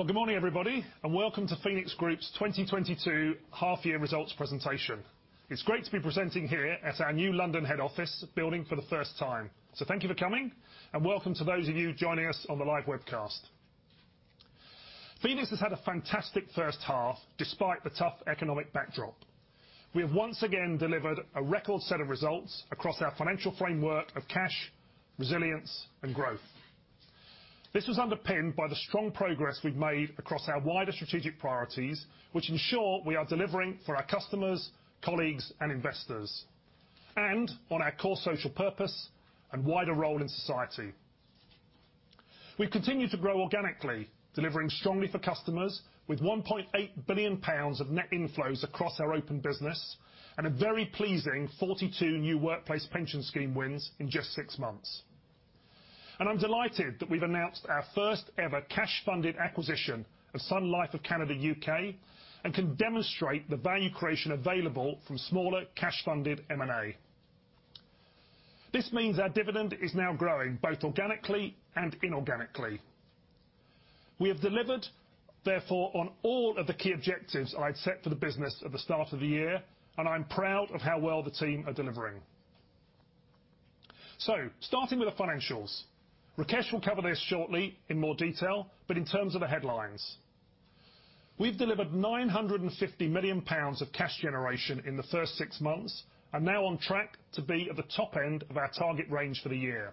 Well, good morning, everybody, and welcome to Phoenix Group's 2022 Half-Year Results Presentation. It's great to be presenting here at our new London head office building for the first time. Thank you for coming, and welcome to those of you joining us on the live webcast. Phoenix has had a fantastic first half despite the tough economic backdrop. We have once again delivered a record set of results across our financial framework of cash, resilience, and growth. This was underpinned by the strong progress we've made across our wider strategic priorities, which ensure we are delivering for our customers, colleagues, and investors, and on our core social purpose and wider role in society. We continue to grow organically, delivering strongly for customers with 1.8 billion pounds of net inflows across our open business, and a very pleasing 42 new workplace pension scheme wins in just six months. I'm delighted that we've announced our first ever cash-funded acquisition of Sun Life of Canada U.K., and can demonstrate the value creation available from smaller cash-funded M&A. This means our dividend is now growing both organically and inorganically. We have delivered, therefore, on all of the key objectives I'd set for the business at the start of the year, and I am proud of how well the team are delivering. Starting with the financials. Rakesh will cover this shortly in more detail, but in terms of the headlines. We've delivered 950 million pounds of cash generation in the first six months, and now on track to be at the top end of our target range for the year.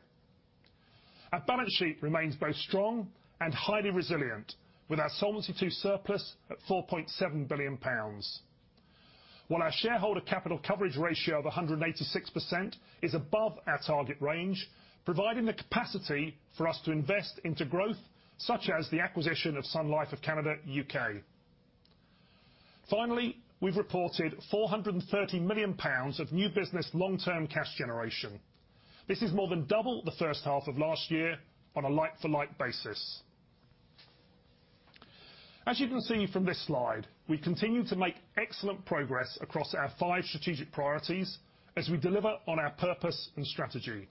Our balance sheet remains both strong and highly resilient with our Solvency II surplus at 4.7 billion pounds. While our shareholder capital coverage ratio of 186% is above our target range, providing the capacity for us to invest into growth such as the acquisition of Sun Life of Canada U.K. Finally, we've reported 430 million pounds of new business long-term cash generation. This is more than double the first half of last year on a like-for-like basis. As you can see from this slide, we continue to make excellent progress across our five strategic priorities as we deliver on our purpose and strategy.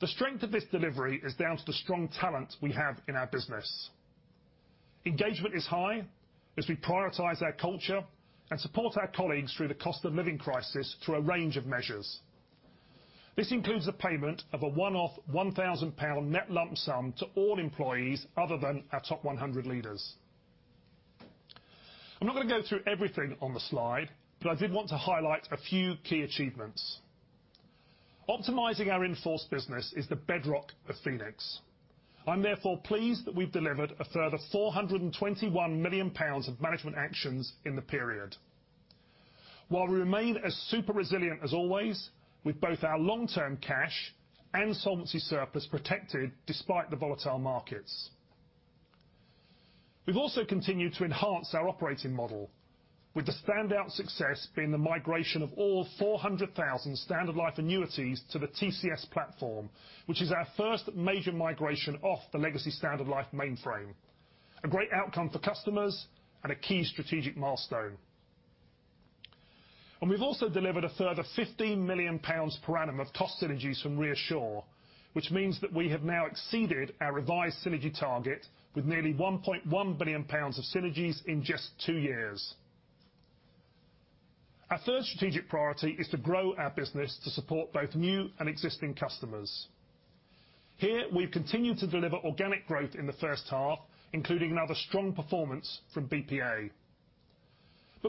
The strength of this delivery is down to the strong talent we have in our business. Engagement is high as we prioritize our culture and support our colleagues through the cost of living crisis through a range of measures. This includes the payment of a one-off 1,000 pound net lump sum to all employees other than our top 100 leaders. I'm not gonna go through everything on the slide, but I did want to highlight a few key achievements. Optimizing our in-force business is the bedrock of Phoenix. I'm therefore pleased that we've delivered a further 421 million pounds of management actions in the period. While we remain as super resilient as always with both our long-term cash and solvency surplus protected despite the volatile markets. We've also continued to enhance our operating model, with the standout success being the migration of all 400,000 Standard Life annuities to the TCS platform, which is our first major migration off the legacy Standard Life mainframe. A great outcome for customers and a key strategic milestone. We've also delivered a further 15 million pounds per annum of cost synergies from ReAssure, which means that we have now exceeded our revised synergy target with nearly 1.1 billion pounds of synergies in just two years. Our third strategic priority is to grow our business to support both new and existing customers. Here, we've continued to deliver organic growth in the first half, including another strong performance from BPA.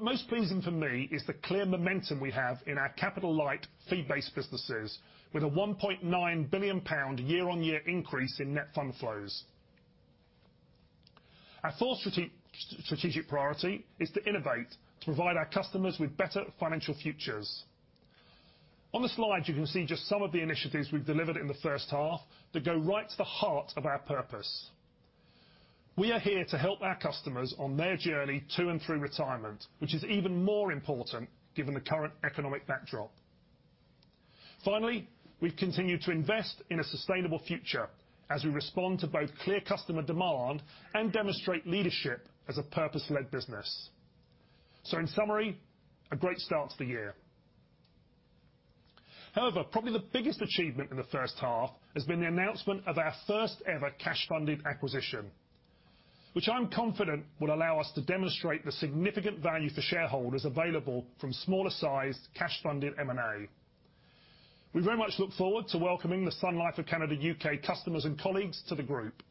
Most pleasing for me is the clear momentum we have in our capital light fee-based businesses with a 1.9 billion pound year-on-year increase in net fund flows. Our fourth strategic priority is to innovate to provide our customers with better financial futures. On the slide you can see just some of the initiatives we've delivered in the first half that go right to the heart of our purpose. We are here to help our customers on their journey to and through retirement, which is even more important given the current economic backdrop. Finally, we've continued to invest in a sustainable future as we respond to both clear customer demand and demonstrate leadership as a purpose-led business. In summary, a great start to the year. However, probably the biggest achievement in the first half has been the announcement of our first ever cash-funded acquisition, which I am confident will allow us to demonstrate the significant value for shareholders available from smaller sized cash-funded M&A. We very much look forward to welcoming the Sun Life of Canada U.K. customers and colleagues to the Group.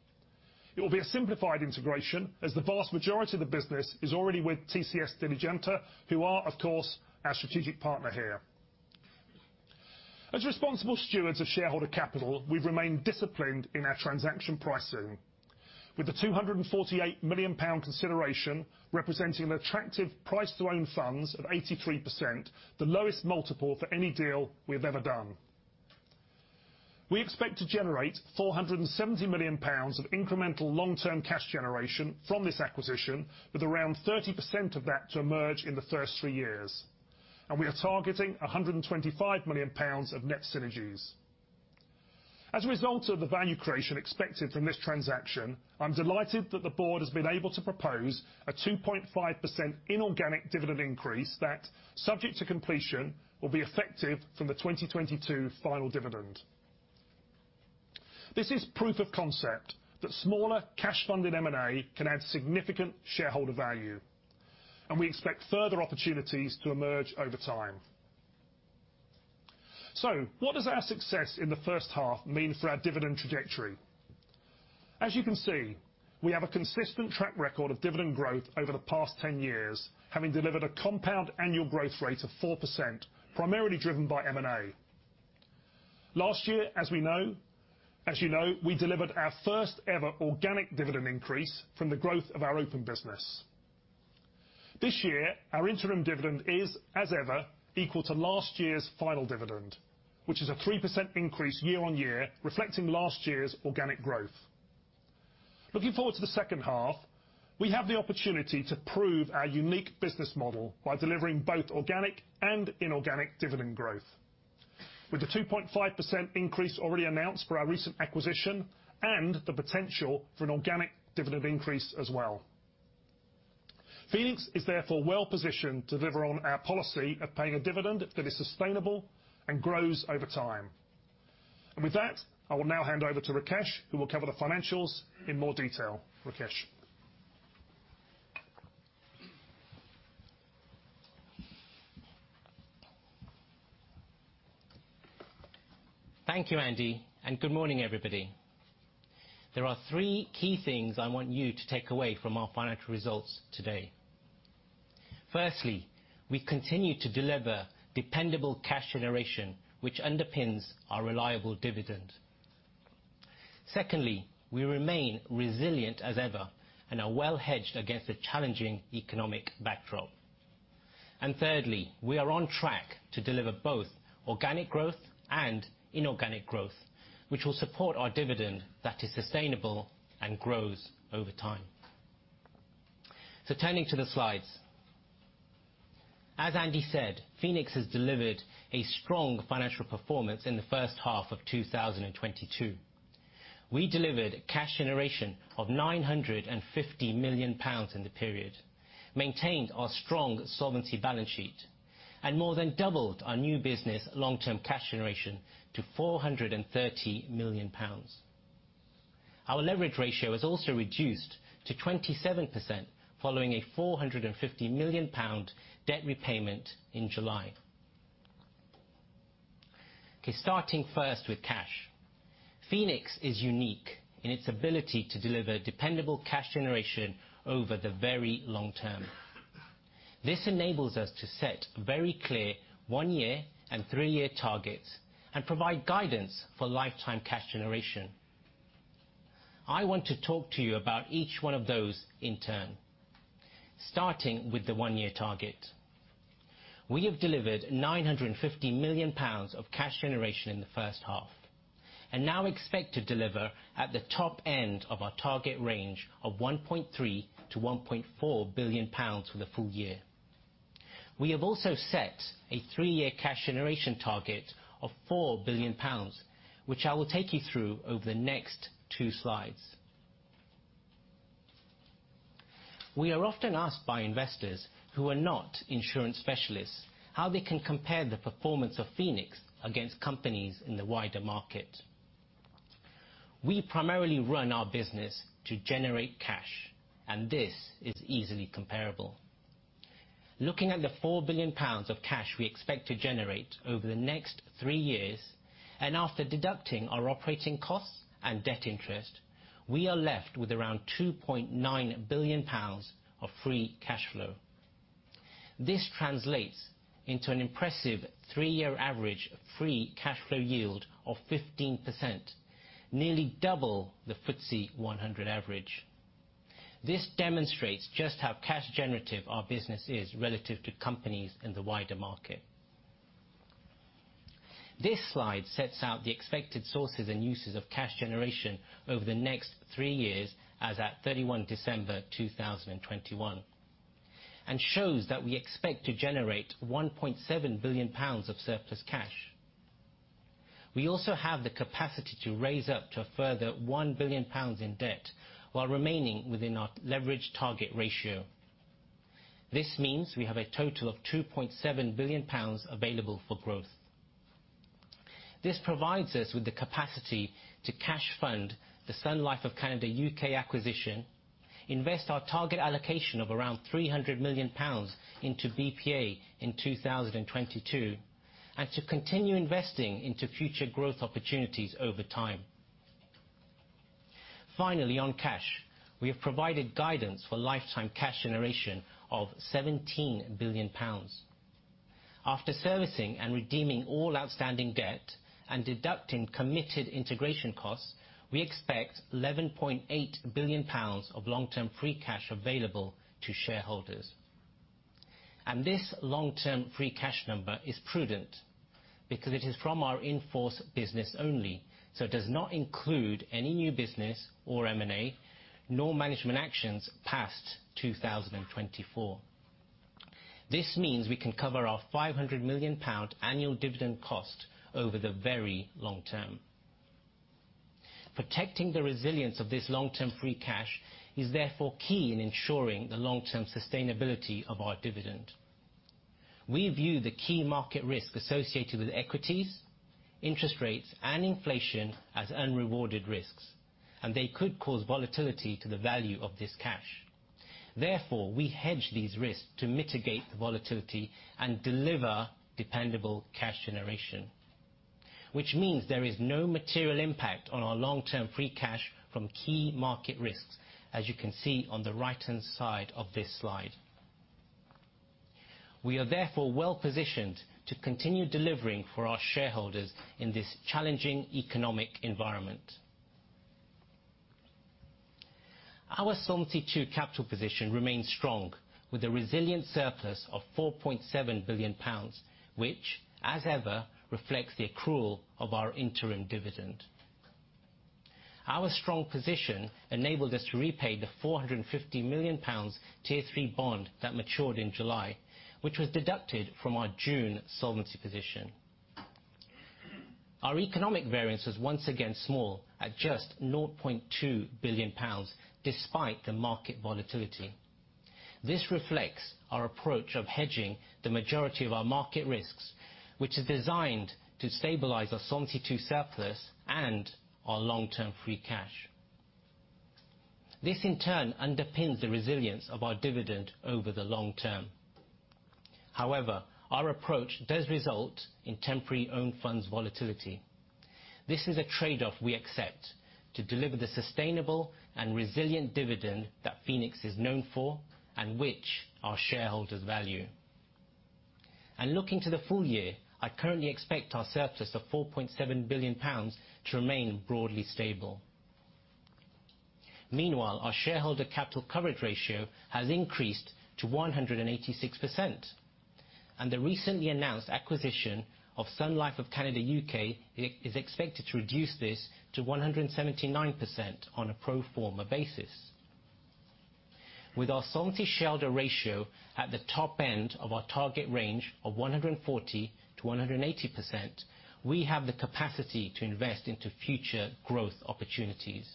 It will be a simplified integration, as the vast majority of the business is already with TCS Diligenta, who are, of course, our strategic partner here. As responsible stewards of shareholder capital, we've remained disciplined in our transaction pricing, with the 248 million pound consideration representing an attractive price to Own Funds of 83%, the lowest multiple for any deal we have ever done. We expect to generate 470 million pounds of incremental long-term cash generation from this acquisition, with around 30% of that to emerge in the first three years. We are targeting 125 million pounds of net synergies. As a result of the value creation expected from this transaction, I'm delighted that the board has been able to propose a 2.5% inorganic dividend increase that, subject to completion, will be effective from the 2022 final dividend. This is proof of concept that smaller cash funding M&A can add significant shareholder value, and we expect further opportunities to emerge over time. What does our success in the first half mean for our dividend trajectory? As you can see, we have a consistent track record of dividend growth over the past 10 years, having delivered a compound annual growth rate of 4%, primarily driven by M&A. Last year, as we know, as you know, we delivered our first ever organic dividend increase from the growth of our open business. This year, our interim dividend is, as ever, equal to last year's final dividend, which is a 3% increase year-over-year reflecting last year's organic growth. Looking forward to the second half, we have the opportunity to prove our unique business model by delivering both organic and inorganic dividend growth. With the 2.5% increase already announced for our recent acquisition, and the potential for an organic dividend increase as well. Phoenix is therefore well-positioned to deliver on our policy of paying a dividend that is sustainable and grows over time. With that, I will now hand over to Rakesh, who will cover the financials in more detail. Rakesh? Thank you, Andy, and good morning everybody. There are three key things I want you to take away from our financial results today. Firstly, we continue to deliver dependable cash generation, which underpins our reliable dividend. Secondly, we remain resilient as ever and are well-hedged against a challenging economic backdrop. Thirdly, we are on track to deliver both organic growth and inorganic growth, which will support our dividend that is sustainable and grows over time. Turning to the slides. As Andy said, Phoenix has delivered a strong financial performance in the first half of 2022. We delivered cash generation of 950 million pounds in the period, maintained our strong solvency balance sheet, and more than doubled our new business long-term cash generation to 430 million pounds. Our leverage ratio has also reduced to 27% following a 450 million pound debt repayment in July. Starting first with cash. Phoenix is unique in its ability to deliver dependable cash generation over the very long term. This enables us to set very clear one-year and three-year targets and provide guidance for lifetime cash generation. I want to talk to you about each one of those in turn. Starting with the one-year target. We have delivered 950 million pounds of cash generation in the first half, and now expect to deliver at the top end of our target range of 1.3 billion-1.4 billion pounds for the full year. We have also set a three-year cash generation target of 4 billion pounds, which I will take you through over the next two slides. We are often asked by investors who are not insurance specialists, how they can compare the performance of Phoenix against companies in the wider market. We primarily run our business to generate cash, and this is easily comparable. Looking at the 4 billion pounds of cash we expect to generate over the next three years, and after deducting our operating costs and debt interest, we are left with around 2.9 billion pounds of free cash flow. This translates into an impressive three-year average of free cash flow yield of 15%, nearly double the FTSE 100 average. This demonstrates just how cash generative our business is relative to companies in the wider market. This slide sets out the expected sources and uses of cash generation over the next three years as at 31 December 2021, and shows that we expect to generate 1.7 billion pounds of surplus cash. We also have the capacity to raise up to a further 1 billion pounds in debt, while remaining within our leverage target ratio. This means we have a total of 2.7 billion pounds available for growth. This provides us with the capacity to cash fund the Sun Life of Canada U.K. acquisition, invest our target allocation of around 300 million pounds into BPA in 2022, and to continue investing into future growth opportunities over time. Finally, on cash, we have provided guidance for lifetime cash generation of 17 billion pounds. After servicing and redeeming all outstanding debt and deducting committed integration costs, we expect GBP 11.8 billion of long-term free cash available to shareholders. This long-term free cash number is prudent because it is from our in-force business only, so it does not include any new business or M&A, nor management actions past 2024. This means we can cover our 500 million pound annual dividend cost over the very long term. Protecting the resilience of this long-term free cash is therefore key in ensuring the long-term sustainability of our dividend. We view the key market risk associated with equities, interest rates, and inflation as unrewarded risks, and they could cause volatility to the value of this cash. Therefore, we hedge these risks to mitigate the volatility and deliver dependable cash generation, which means there is no material impact on our long-term free cash from key market risks, as you can see on the right-hand side of this slide. We are therefore well-positioned to continue delivering for our shareholders in this challenging economic environment. Our Solvency II capital position remains strong with a resilient surplus of 4.7 billion pounds, which, as ever, reflects the accrual of our interim dividend. Our strong position enabled us to repay the 450 million pounds Tier 3 bond that matured in July, which was deducted from our June solvency position. Our economic variance was once again small at just 0.2 billion pounds, despite the market volatility. This reflects our approach of hedging the majority of our market risks, which is designed to stabilize our Solvency II surplus and our long-term free cash. This, in turn, underpins the resilience of our dividend over the long term. However, our approach does result in temporary own funds volatility. This is a trade-off we accept to deliver the sustainable and resilient dividend that Phoenix is known for, and which our shareholders value. Looking to the full year, I currently expect our surplus of 4.7 billion pounds to remain broadly stable. Meanwhile, our shareholder capital coverage ratio has increased to 186%, and the recently announced acquisition of Sun Life of Canada U.K. is expected to reduce this to 179% on a pro forma basis. With our Solvency shareholder ratio at the top end of our target range of 140%-180%, we have the capacity to invest into future growth opportunities.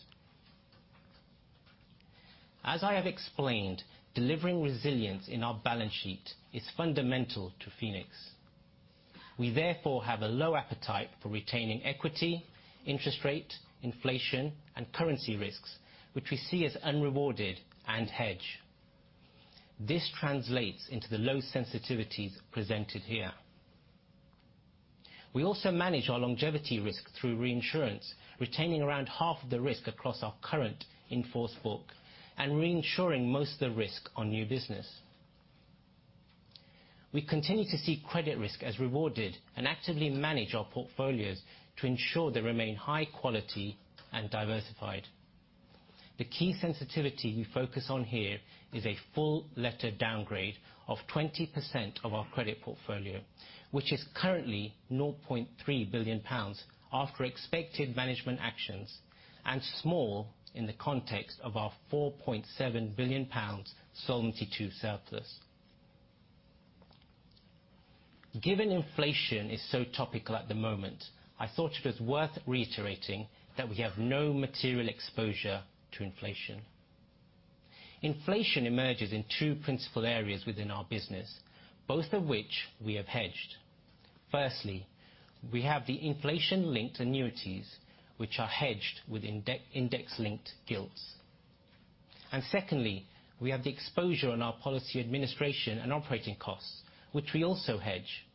As I have explained, delivering resilience in our balance sheet is fundamental to Phoenix. We therefore have a low appetite for retaining equity, interest rate, inflation, and currency risks, which we see as unrewarded and hedged. This translates into the low sensitivities presented here. We also manage our longevity risk through reinsurance, retaining around half of the risk across our current in-force book and reinsuring most of the risk on new business. We continue to see credit risk as rewarded and actively manage our portfolios to ensure they remain high quality and diversified. The key sensitivity we focus on here is a full letter downgrade of 20% of our credit portfolio, which is currently 0.3 billion pounds after expected management actions, and small in the context of our 4.7 billion pounds Solvency II surplus. Given inflation is so topical at the moment, I thought it was worth reiterating that we have no material exposure to inflation. Inflation emerges in two principal areas within our business, both of which we have hedged. Firstly, we have the inflation-linked annuities, which are hedged with index-linked gilts. Secondly, we have the exposure on our policy administration and operating costs, which we also hedge.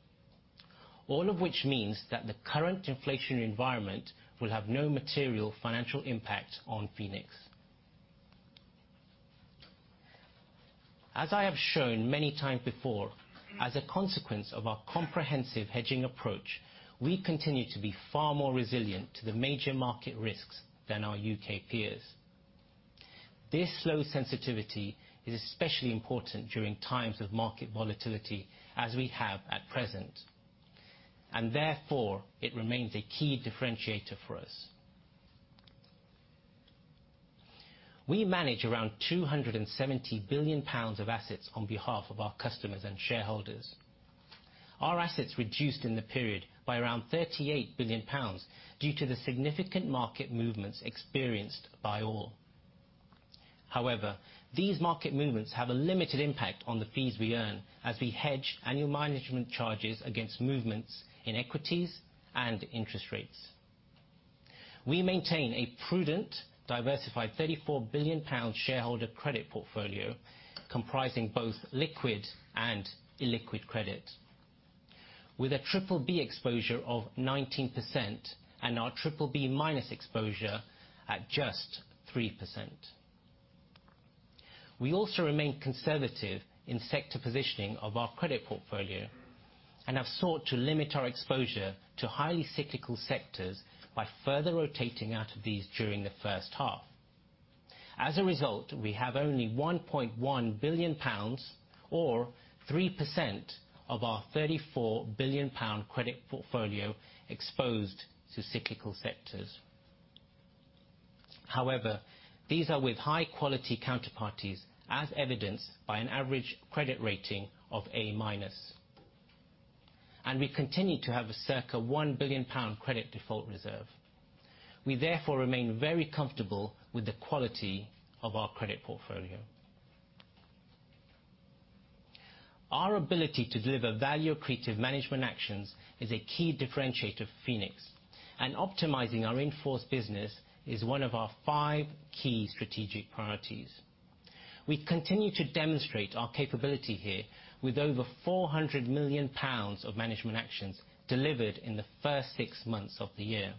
All of which means that the current inflationary environment will have no material financial impact on Phoenix. As I have shown many times before, as a consequence of our comprehensive hedging approach, we continue to be far more resilient to the major market risks than our U.K. peers. This low sensitivity is especially important during times of market volatility, as we have at present, and therefore it remains a key differentiator for us. We manage around 270 billion pounds of assets on behalf of our customers and shareholders. Our assets reduced in the period by around 38 billion pounds due to the significant market movements experienced by all. However, these market movements have a limited impact on the fees we earn as we hedge annual management charges against movements in equities and interest rates. We maintain a prudent, diversified 34 billion pound shareholder credit portfolio comprising both liquid and illiquid credit. With a BBB exposure of 19% and our BBB- exposure at just 3%. We also remain conservative in sector positioning of our credit portfolio and have sought to limit our exposure to highly cyclical sectors by further rotating out of these during the first half. As a result, we have only 1.1 billion pounds or 3% of our 34 billion pound credit portfolio exposed to cyclical sectors. However, these are with high-quality counterparties, as evidenced by an average credit rating of A-. We continue to have a circa 1 billion pound credit default reserve. We therefore remain very comfortable with the quality of our credit portfolio. Our ability to deliver value-accretive management actions is a key differentiator for Phoenix, and optimizing our in-force business is one of our five key strategic priorities. We continue to demonstrate our capability here with over 400 million pounds of management actions delivered in the first six months of the year.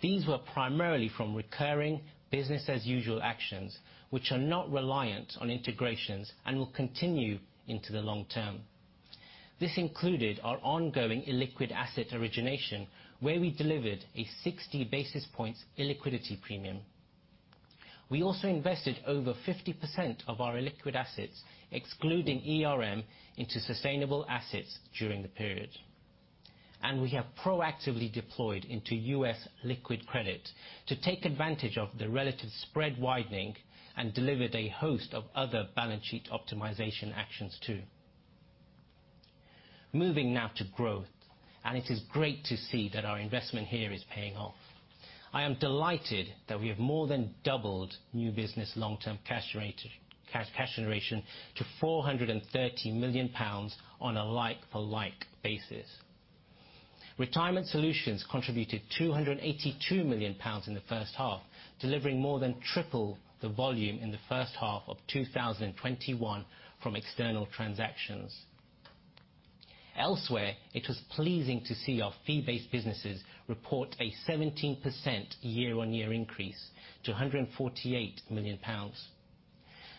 These were primarily from recurring business-as-usual actions, which are not reliant on integrations and will continue into the long term. This included our ongoing illiquid asset origination, where we delivered a 60 basis points illiquidity premium. We also invested over 50% of our illiquid assets, excluding ERM, into sustainable assets during the period. We have proactively deployed into U.S. liquid credit to take advantage of the relative spread widening and delivered a host of other balance sheet optimization actions too. Moving now to growth, it is great to see that our investment here is paying off. I am delighted that we have more than doubled new business long-term cash generation to 430 million pounds on a like-for-like basis. Retirement solutions contributed 282 million pounds in the first half, delivering more than triple the volume in the first half of 2021 from external transactions. Elsewhere, it was pleasing to see our fee-based businesses report a 17% year-on-year increase to 148 million pounds.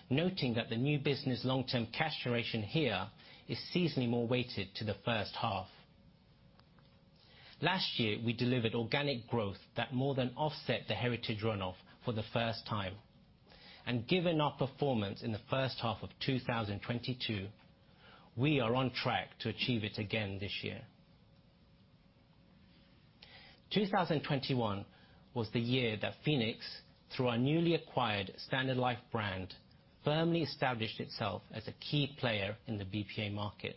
Noting that the new business long-term cash generation here is seasonally more weighted to the first half. Last year, we delivered organic growth that more than offset the heritage runoff for the first time. Given our performance in the first half of 2022, we are on track to achieve it again this year. 2021 was the year that Phoenix, through our newly acquired Standard Life brand, firmly established itself as a key player in the BPA market.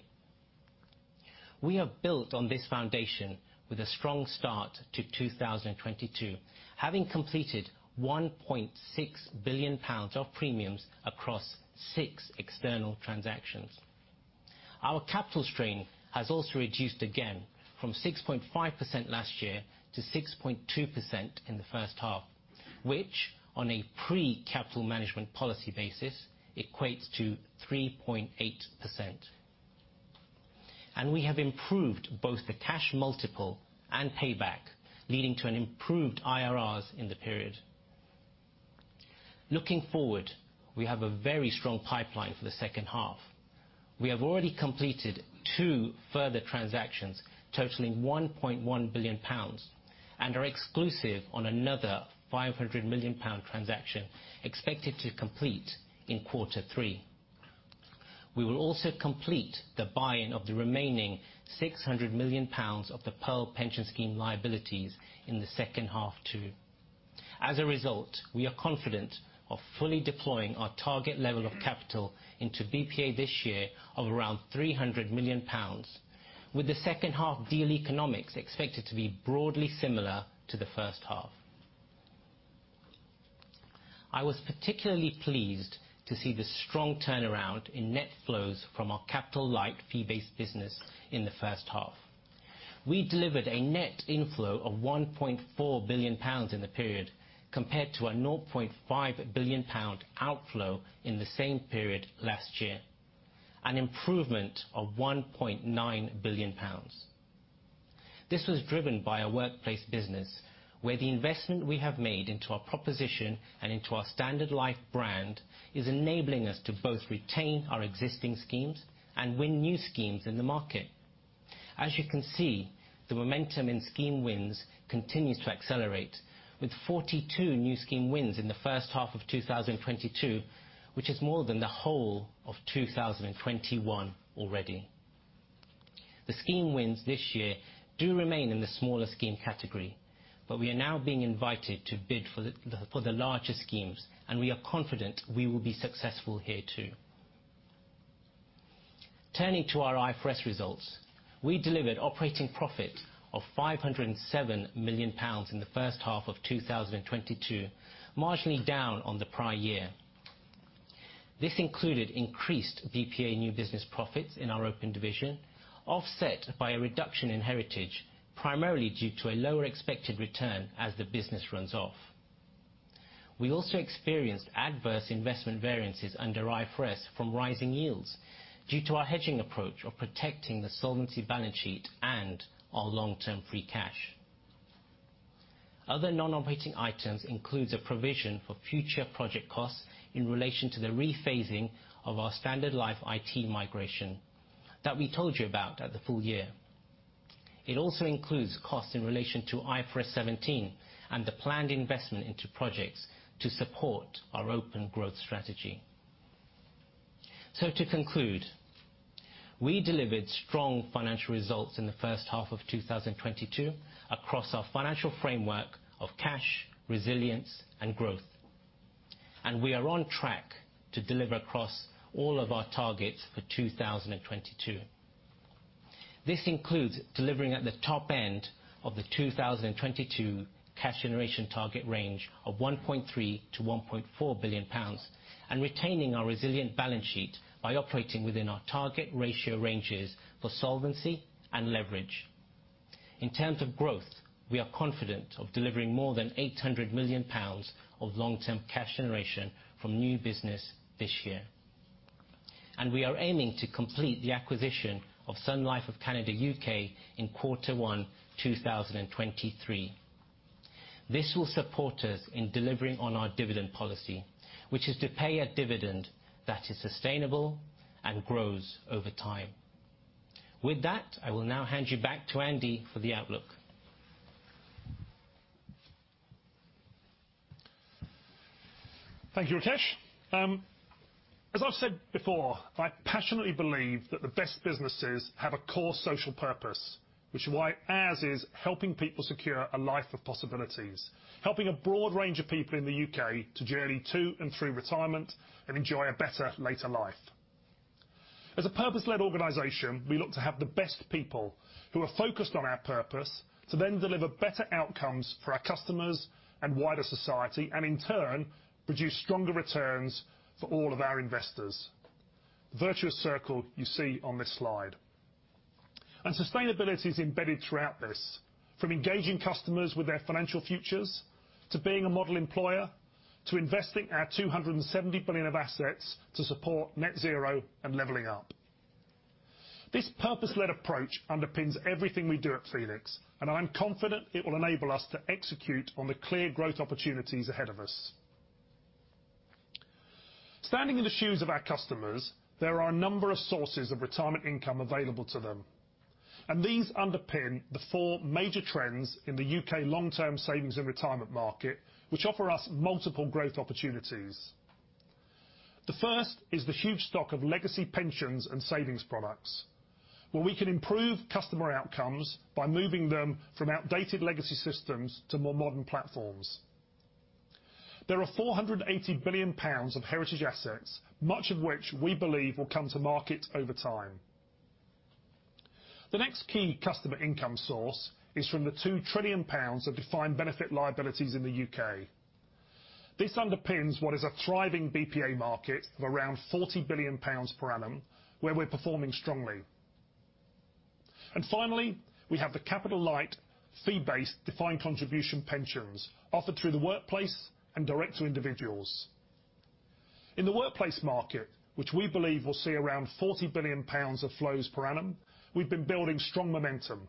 We have built on this foundation with a strong start to 2022, having completed 1.6 billion pounds of premiums across six external transactions. Our capital strain has also reduced again from 6.5% last year to 6.2% in the first half, which on a pre-capital management policy basis equates to 3.8%. We have improved both the cash multiple and payback, leading to an improved IRRs in the period. Looking forward, we have a very strong pipeline for the second half. We have already completed two further transactions totaling 1.1 billion pounds, and are exclusive on another 500 million pound transaction expected to complete in quarter three. We will also complete the buying of the remaining 600 million pounds of the Pearl Pension Scheme liabilities in the second half too. As a result, we are confident of fully deploying our target level of capital into BPA this year of around 300 million pounds, with the second half deal economics expected to be broadly similar to the first half. I was particularly pleased to see the strong turnaround in net flows from our capital-light fee-based business in the first half. We delivered a net inflow of 1.4 billion pounds in the period, compared to a 0.5 billion pound outflow in the same period last year. An improvement of 1.9 billion pounds. This was driven by our workplace business, where the investment we have made into our proposition and into our Standard Life brand is enabling us to both retain our existing schemes and win new schemes in the market. As you can see, the momentum in scheme wins continues to accelerate with 42 new scheme wins in the first half of 2022, which is more than the whole of 2021 already. The scheme wins this year do remain in the smaller scheme category, but we are now being invited to bid for the larger schemes, and we are confident we will be successful here too. Turning to our IFRS results. We delivered operating profit of 507 million pounds in the first half of 2022, marginally down on the prior year. This included increased BPA new business profits in our open division, offset by a reduction in heritage, primarily due to a lower expected return as the business runs off. We also experienced adverse investment variances under IFRS from rising yields due to our hedging approach of protecting the solvency balance sheet and our long-term free cash. Other non-operating items includes a provision for future project costs in relation to the rephasing of our Standard Life IT migration that we told you about at the full year. It also includes costs in relation to IFRS 17 and the planned investment into projects to support our open growth strategy. To conclude, we delivered strong financial results in the first half of 2022 across our financial framework of cash, resilience and growth. We are on track to deliver across all of our targets for 2022. This includes delivering at the top end of the 2022 cash generation target range of 1.3 billion-1.4 billion pounds, and retaining our resilient balance sheet by operating within our target ratio ranges for solvency and leverage. In terms of growth, we are confident of delivering more than 800 million pounds of long-term cash generation from new business this year. We are aiming to complete the acquisition of Sun Life of Canada U.K. in Q1 2023. This will support us in delivering on our dividend policy, which is to pay a dividend that is sustainable and grows over time. With that, I will now hand you back to Andy for the outlook. Thank you, Rakesh. As I've said before, I passionately believe that the best businesses have a core social purpose. Which is why ours is helping people secure a life of possibilities, helping a broad range of people in the U.K. to journey to and through retirement, and enjoy a better later life. As a purpose-led organization, we look to have the best people, who are focused on our purpose, to then deliver better outcomes for our customers and wider society, and in turn, produce stronger returns for all of our investors. The virtuous circle you see on this slide. Sustainability is embedded throughout this. From engaging customers with their financial futures, to being a model employer, to investing our 270 billion of assets to support net zero and leveling up. This purpose-led approach underpins everything we do at Phoenix, and I'm confident it will enable us to execute on the clear growth opportunities ahead of us. Standing in the shoes of our customers, there are a number of sources of retirement income available to them, and these underpin the four major trends in the U.K. long-term savings and retirement market, which offer us multiple growth opportunities. The first is the huge stock of legacy pensions and savings products, where we can improve customer outcomes by moving them from outdated legacy systems to more modern platforms. There are 480 billion pounds of heritage assets, much of which we believe will come to market over time. The next key customer income source is from the 2 trillion pounds of defined benefit liabilities in the U.K. This underpins what is a thriving BPA market of around 40 billion pounds per annum, where we're performing strongly. Finally, we have the capital-light, fee-based, defined contribution pensions offered through the workplace and direct to individuals. In the workplace market, which we believe will see around 40 billion pounds of flows per annum, we've been building strong momentum.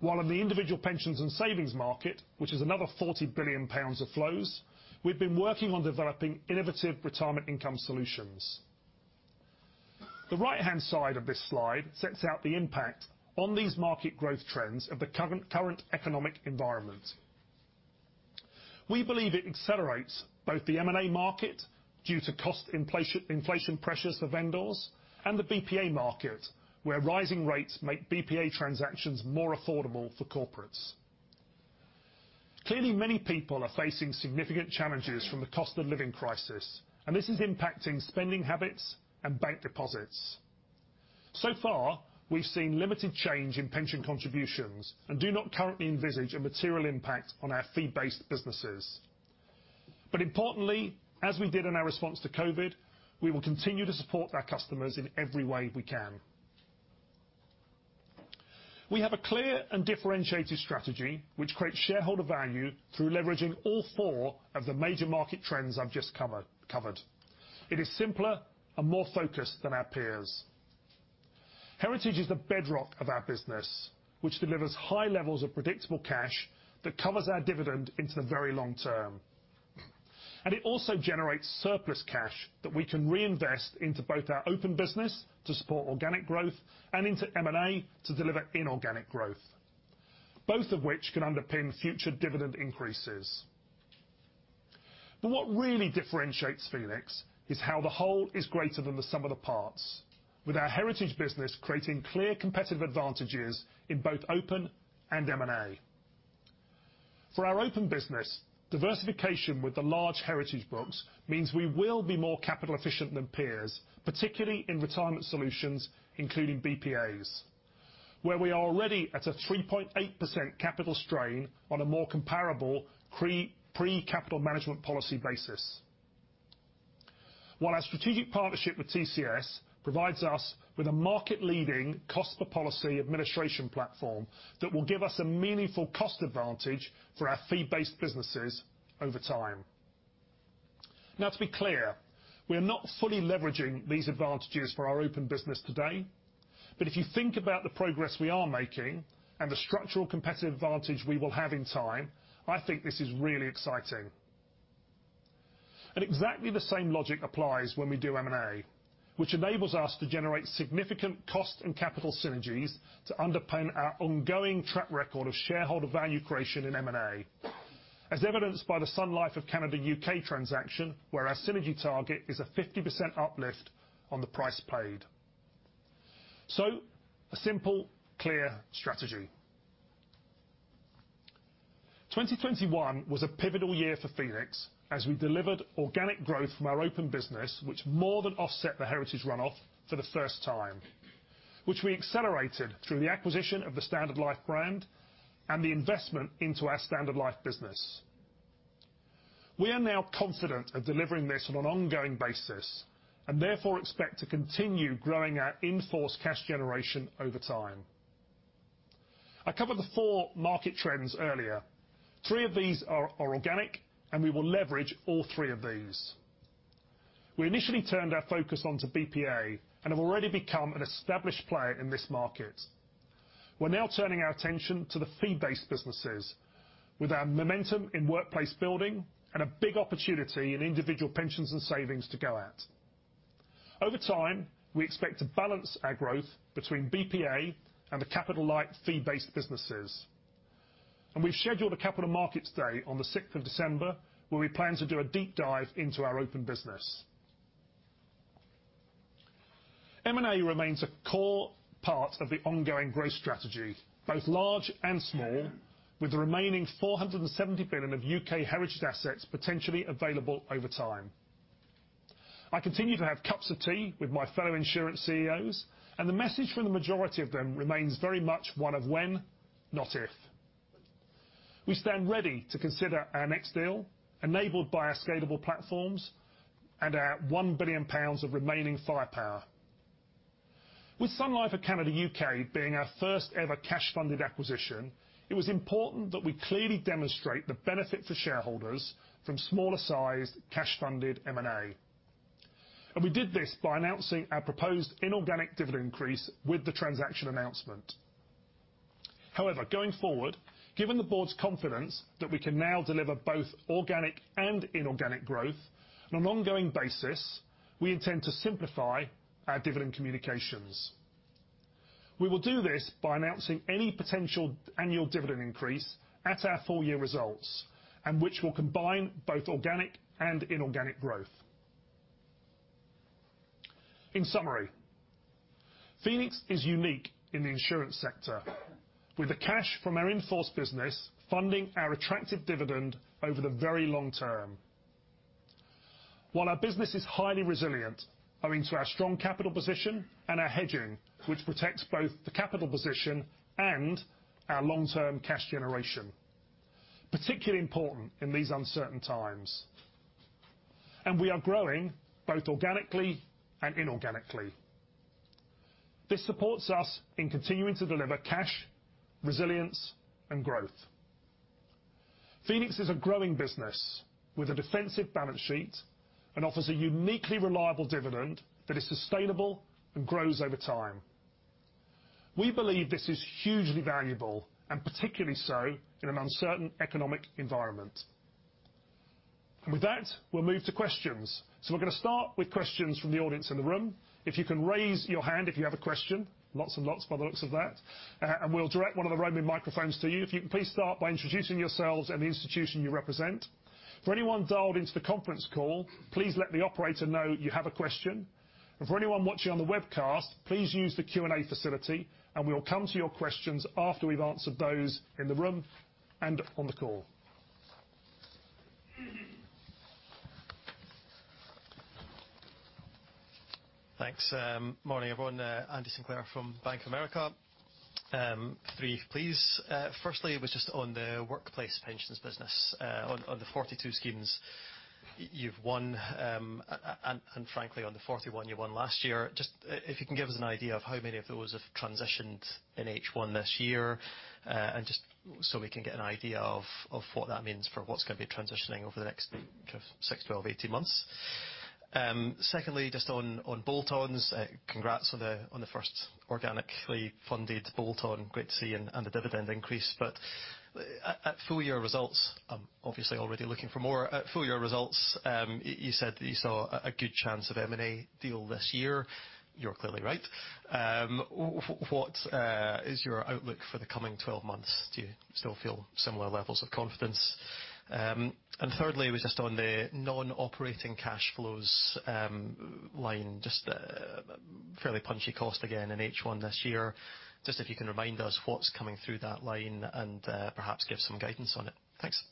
While in the individual pensions and savings market, which is another 40 billion pounds of flows, we've been working on developing innovative retirement income solutions. The right-hand side of this slide sets out the impact on these market growth trends of the current economic environment. We believe it accelerates both the M&A market, due to cost inflation pressures for vendors, and the BPA market, where rising rates make BPA transactions more affordable for corporates. Clearly, many people are facing significant challenges from the cost of living crisis, and this is impacting spending habits and bank deposits. So far, we've seen limited change in pension contributions, and do not currently envisage a material impact on our fee-based businesses. Importantly, as we did in our response to COVID, we will continue to support our customers in every way we can. We have a clear and differentiated strategy which creates shareholder value through leveraging all four of the major market trends I've just covered. It is simpler and more focused than our peers. Heritage is the bedrock of our business, which delivers high levels of predictable cash that covers our dividend into the very long term. It also generates surplus cash that we can reinvest into both our open business to support organic growth, and into M&A to deliver inorganic growth, both of which can underpin future dividend increases. What really differentiates Phoenix is how the whole is greater than the sum of the parts, with our heritage business creating clear competitive advantages in both open and M&A. For our open business, diversification with the large heritage books means we will be more capital efficient than peers, particularly in retirement solutions, including BPAs, where we are already at a 3.8% capital strain on a more comparable pre-capital management policy basis. While our strategic partnership with TCS provides us with a market-leading cost per policy administration platform that will give us a meaningful cost advantage for our fee-based businesses over time. Now to be clear, we are not fully leveraging these advantages for our open business today. If you think about the progress we are making and the structural competitive advantage we will have in time, I think this is really exciting. Exactly the same logic applies when we do M&A, which enables us to generate significant cost and capital synergies to underpin our ongoing track record of shareholder value creation in M&A. As evidenced by the Sun Life of Canada U.K. transaction, where our synergy target is a 50% uplift on the price paid. A simple, clear strategy. 2021 was a pivotal year for Phoenix as we delivered organic growth from our open business which more than offset the heritage runoff for the first time, which we accelerated through the acquisition of the Standard Life brand and the investment into our Standard Life business. We are now confident of delivering this on an ongoing basis and therefore expect to continue growing our in-force cash generation over time. I covered the four market trends earlier. Three of these are organic, and we will leverage all three of these. We initially turned our focus on to BPA and have already become an established player in this market. We're now turning our attention to the fee-based businesses with our momentum in workplace building and a big opportunity in individual pensions and savings to go at. Over time, we expect to balance our growth between BPA and the capital-light fee-based businesses. We've scheduled a Capital Markets Day on the 6th of December, where we plan to do a deep dive into our open business. M&A remains a core part of the ongoing growth strategy, both large and small, with the remaining 470 billion of U.K. heritage assets potentially available over time. I continue to have cups of tea with my fellow insurance CEOs, and the message from the majority of them remains very much one of when, not if. We stand ready to consider our next deal enabled by our scalable platforms and our 1 billion pounds of remaining firepower. With Sun Life of Canada U.K. being our first ever cash-funded acquisition, it was important that we clearly demonstrate the benefit for shareholders from smaller sized cash-funded M&A. We did this by announcing our proposed inorganic dividend increase with the transaction announcement. However, going forward, given the board's confidence that we can now deliver both organic and inorganic growth on an ongoing basis, we intend to simplify our dividend communications. We will do this by announcing any potential annual dividend increase at our full year results and which will combine both organic and inorganic growth. In summary, Phoenix is unique in the insurance sector with the cash from our in-force business funding our attractive dividend over the very long term. While our business is highly resilient, owing to our strong capital position and our hedging, which protects both the capital position and our long-term cash generation, particularly important in these uncertain times. We are growing both organically and inorganically. This supports us in continuing to deliver cash, resilience, and growth. Phoenix is a growing business with a defensive balance sheet and offers a uniquely reliable dividend that is sustainable and grows over time. We believe this is hugely valuable and particularly so in an uncertain economic environment. With that, we'll move to questions. We're gonna start with questions from the audience in the room. If you can raise your hand if you have a question. Lots and lots by the looks of that. We'll direct one of the roaming microphones to you. If you can please start by introducing yourselves and the institution you represent. For anyone dialed into the conference call, please let the operator know you have a question. For anyone watching on the webcast, please use the Q&A facility, and we will come to your questions after we've answered those in the room and on the call. Thanks. Morning, everyone, Andrew Sinclair from Bank of America. Three, please. Firstly, it was just on the workplace pensions business, on the 42 schemes you've won, and frankly, on the 41 you won last year. Just if you can give us an idea of how many of those have transitioned in H1 this year, and just so we can get an idea of what that means for what's gonna be transitioning over the next 6, 12, 18 months. Secondly, just on bolt-ons. Congrats on the first organically funded bolt-on, great to see, and the dividend increase. At full year results, I'm obviously already looking for more. At full year results, you said that you saw a good chance of M&A deal this year. You're clearly right. What is your outlook for the coming 12 months? Do you still feel similar levels of confidence? Thirdly was just on the non-operating cash flows line, just fairly punchy cost again in H1 this year. Just if you can remind us what's coming through that line and perhaps give some guidance on it. Thanks.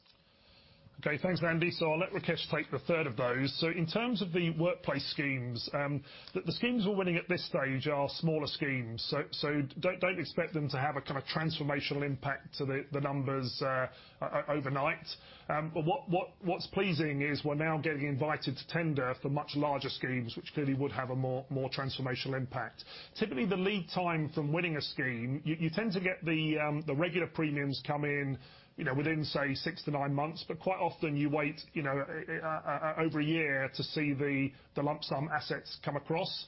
Okay. Thanks, Andy. I'll let Rakesh take the third of those. In terms of the workplace schemes, the schemes we're winning at this stage are smaller schemes. Don't expect them to have a kind of transformational impact to the numbers overnight. What's pleasing is we're now getting invited to tender for much larger schemes, which clearly would have a more transformational impact. Typically, the lead time from winning a scheme, you tend to get the regular premiums come in, you know, within, say, six-nine months. Quite often you wait, you know, over a year to see the lump sum assets come across.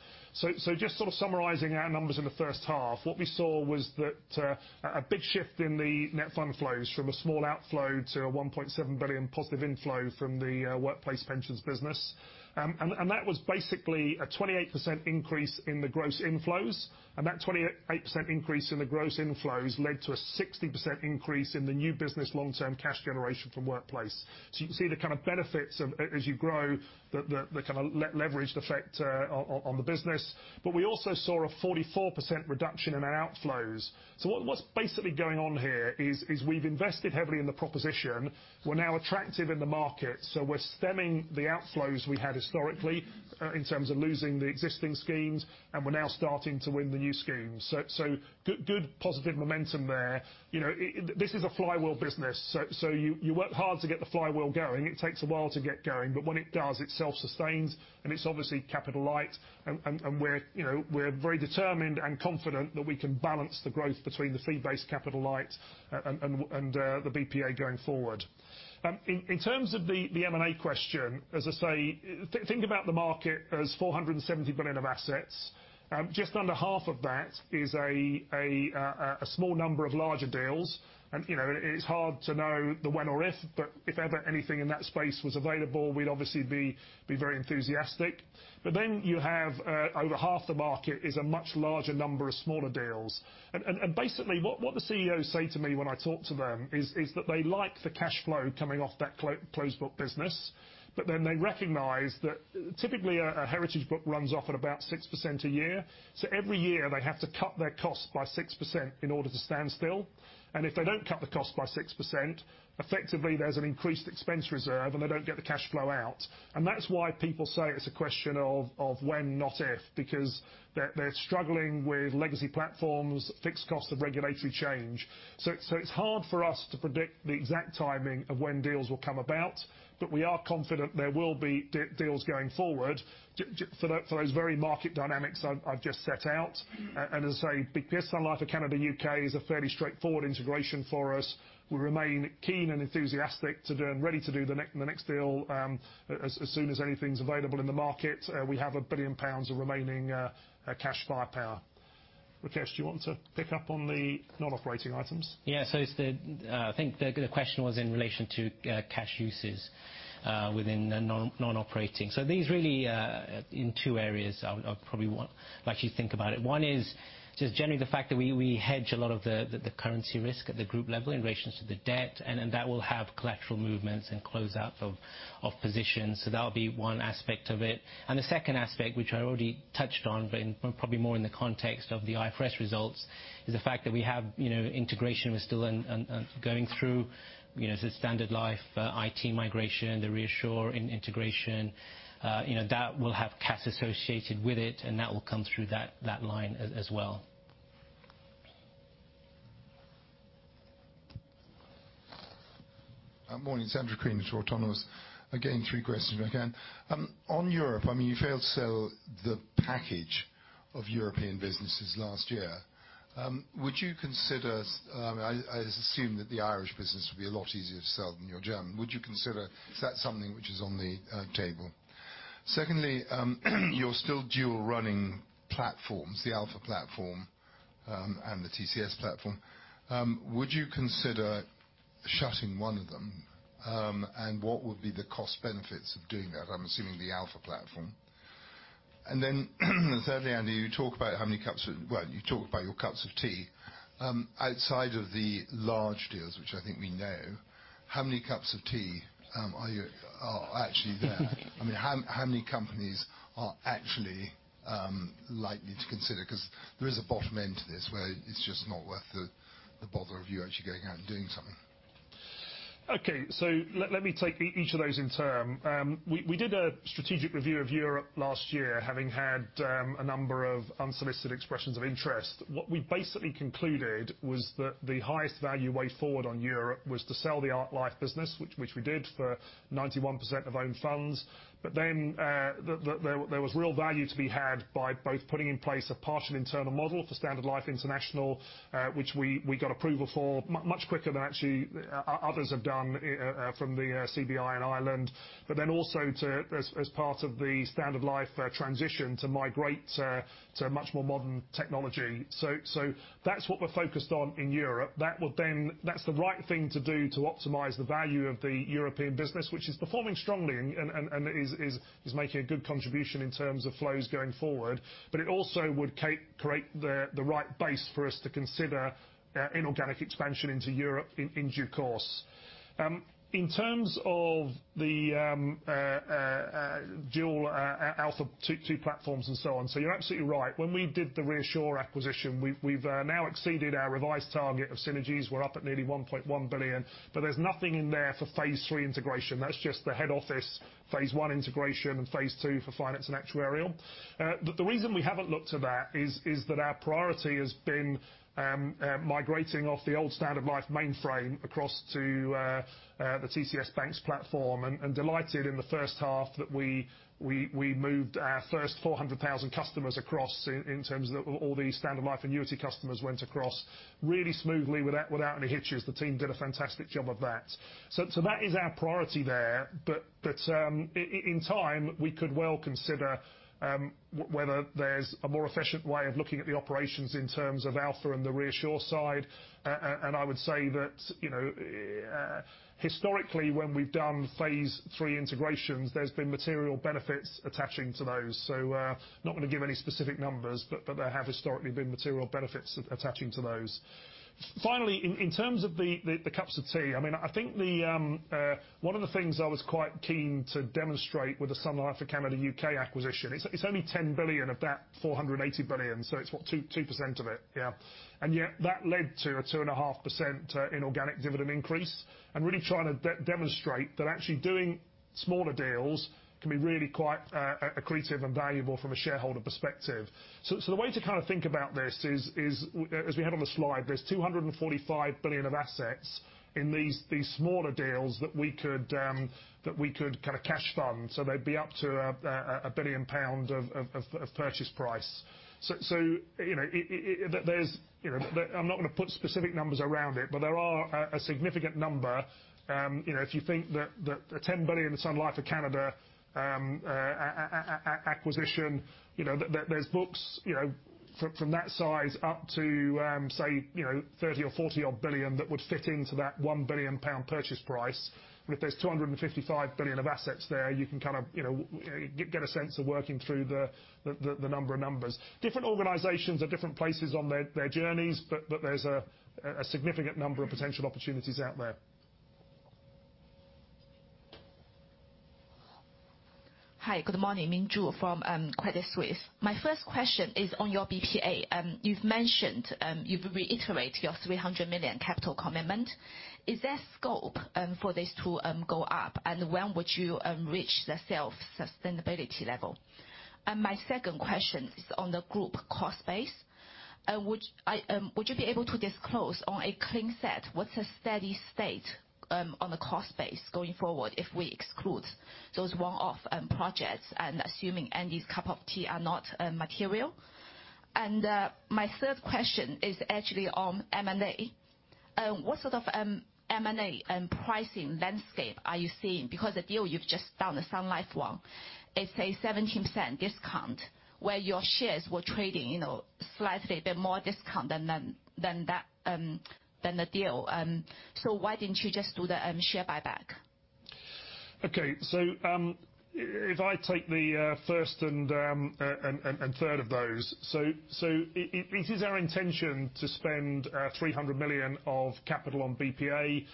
Just sort of summarizing our numbers in the first half, what we saw was that a big shift in the net fund flows from a small outflow to a 1.7 billion positive inflow from the workplace pensions business. That was basically a 28% increase in the gross inflows. That 28% increase in the gross inflows led to a 60% increase in the new business long-term cash generation from Workplace. You can see the kind of benefits of as you grow the kind of leveraged effect on the business. We also saw a 44% reduction in our outflows. What's basically going on here is we've invested heavily in the proposition. We're now attractive in the market, so we're stemming the outflows we had historically in terms of losing the existing schemes, and we're now starting to win the new schemes. Good positive momentum there. You know, this is a flywheel business, you work hard to get the flywheel going. It takes a while to get going, but when it does, it self-sustains, and it's obviously capital light. We're very determined and confident that we can balance the growth between the fee-based capital light and the BPA going forward. In terms of the M&A question, as I say, think about the market as 470 billion of assets. Just under half of that is a small number of larger deals. You know, it's hard to know the when or if, but if ever anything in that space was available, we'd obviously be very enthusiastic. But then you have over half the market is a much larger number of smaller deals. Basically, what the CEOs say to me when I talk to them is that they like the cash flow coming off that closed book business, but then they recognize that typically a heritage book runs off at about 6% a year. Every year they have to cut their costs by 6% in order to stand still. If they don't cut the cost by 6%, effectively there's an increased expense reserve, and they don't get the cash flow out. That's why people say it's a question of when, not if, because they're struggling with legacy platforms, fixed cost of regulatory change. It's hard for us to predict the exact timing of when deals will come about. We are confident there will be deals going forward for those very market dynamics I've just set out. As I say, because Sun Life of Canada U.K. is a fairly straightforward integration for us, we remain keen and enthusiastic to do and ready to do the next deal, as soon as anything's available in the market. We have 1 billion pounds of remaining cash firepower. Rakesh, do you want to pick up on the non-operating items? Yeah. It's the, I think the question was in relation to cash uses within the non-operating. These really are in two areas I'd probably want, like you think about it. One is just generally the fact that we hedge a lot of the currency risk at the group level in relation to the debt, and then that will have collateral movements and close out of positions. That would be one aspect of it. The second aspect, which I already touched on, but in probably more in the context of the IFRS results, is the fact that we have, you know, integration. We're still ongoing through, you know, the Standard Life IT migration, the ReAssure integration. You know, that will have cash associated with it, and that will come through that line as well. Morning. It's Andrew Crean from Autonomous. Again, three questions, if I can. On Europe, I mean, you failed to sell the package of European businesses last year. I assume that the Irish business would be a lot easier to sell than your German. Would you consider, is that something which is on the table? Secondly, you're still dual running platforms, the Alpha platform, and the TCS platform. Would you consider shutting one of them? And what would be the cost benefits of doing that? I'm assuming the Alpha platform. Then thirdly, Andy, you talk about your cups of tea. Outside of the large deals, which I think we know, how many cups of tea are actually there? I mean, how many companies are actually likely to consider? 'Cause there is a bottom end to this where it's just not worth the bother of you actually going out and doing something. Okay, let me take each of those in turn. We did a strategic review of Europe last year, having had a number of unsolicited expressions of interest. What we basically concluded was that the highest value way forward on Europe was to sell the Ark Life business, which we did for 91% of own funds. There was real value to be had by both putting in place a partial internal model for Standard Life International, which we got approval for much quicker than actually others have done, from the CBI in Ireland. Also to as part of the Standard Life transition to migrate to a much more modern technology. That's what we're focused on in Europe. That would then. That's the right thing to do to optimize the value of the European business, which is performing strongly and is making a good contribution in terms of flows going forward. It also would create the right base for us to consider inorganic expansion into Europe in due course. In terms of the dual ALPHA -- two platforms and so on, so you're absolutely right. When we did the ReAssure acquisition, we've now exceeded our revised target of synergies. We're up at nearly 1.1 billion, but there's nothing in there for phase III integration. That's just the head office phase I integration and phase II for finance and actuarial. The reason we haven't looked to that is that our priority has been migrating off the old Standard Life mainframe across to the TCS BaNCS platform, and delighted in the first half that we moved our first 400,000 customers across in terms of all the Standard Life annuity customers went across really smoothly without any hitches. The team did a fantastic job of that. That is our priority there. In time, we could well consider whether there's a more efficient way of looking at the operations in terms of ALPHA and the ReAssure side. And I would say that, you know, historically, when we've done phase III integrations, there's been material benefits attaching to those. Not gonna give any specific numbers, but there have historically been material benefits attaching to those. Finally, in terms of the cups of tea, I mean, I think one of the things I was quite keen to demonstrate with the Sun Life of Canada U.K. acquisition, it's only 10 billion of that 480 billion, so it's what, 2% of it, yeah. Yet that led to a 2.5% inorganic dividend increase, and really trying to demonstrate that actually doing smaller deals can be really quite accretive and valuable from a shareholder perspective. The way to kind of think about this is, as we had on the slide, there's 245 billion of assets in these smaller deals that we could kind of cash fund. They'd be up to a 1 billion pound of purchase price. You know, there's, you know, I'm not gonna put specific numbers around it, but there are a significant number. You know, if you think that the 10 billion Sun Life of Canada acquisition, you know, there's books, you know, from that size up to, say, you know, odd 30 billion or 40 billion that would fit into that 1 billion pound purchase price. If there's 255 billion of assets there, you can kind of, you know, get a sense of working through the number of numbers. Different organizations are different places on their journeys, but there's a significant number of potential opportunities out there. Hi, good morning. Ming Zhu from Credit Suisse. My first question is on your BPA. You've mentioned you've reiterated your 300 million capital commitment. Is there scope for this to go up, and when would you reach the self-sustainability level? My second question is on the group cost base. Would you be able to disclose on a clean basis what's a steady state on the cost base going forward if we exclude those one-off projects and assuming any such bolt-ons are not material? My third question is actually on M&A. What sort of M&A and pricing landscape are you seeing? Because the deal you've just done, the Sun Life one, it's a 17% discount where your shares were trading, you know, slightly a bit more discount than that, than the deal. Why didn't you just do the share buyback? Okay. If I take the first and third of those. It is our intention to spend 300 million of capital on BPA.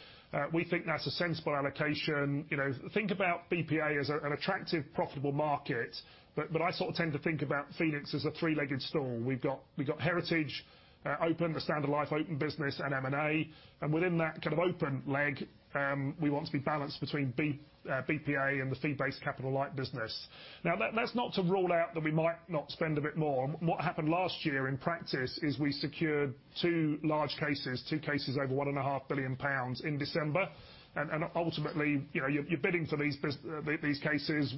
We think that's a sensible allocation. You know, think about BPA as an attractive, profitable market. I sort of tend to think about Phoenix as a three-legged stool. We've got Heritage open, the Standard Life open business, and M&A. Within that kind of open leg, we want to be balanced between BPA and the fee-based capital light business. Now that's not to rule out that we might not spend a bit more. What happened last year in practice is we secured two large cases over 1.5 billion pounds in December. Ultimately, you know, you're bidding for these cases.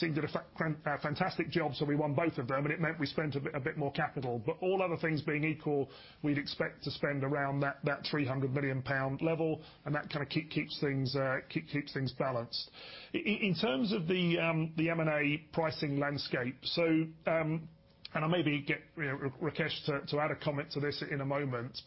Team did a fantastic job, so we won both of them, and it meant we spent a bit more capital. All other things being equal, we'd expect to spend around that 300 million pound level, and that kind of keeps things balanced. In terms of the M&A pricing landscape, I'll maybe get, you know, Rakesh to add a comment to this in a moment,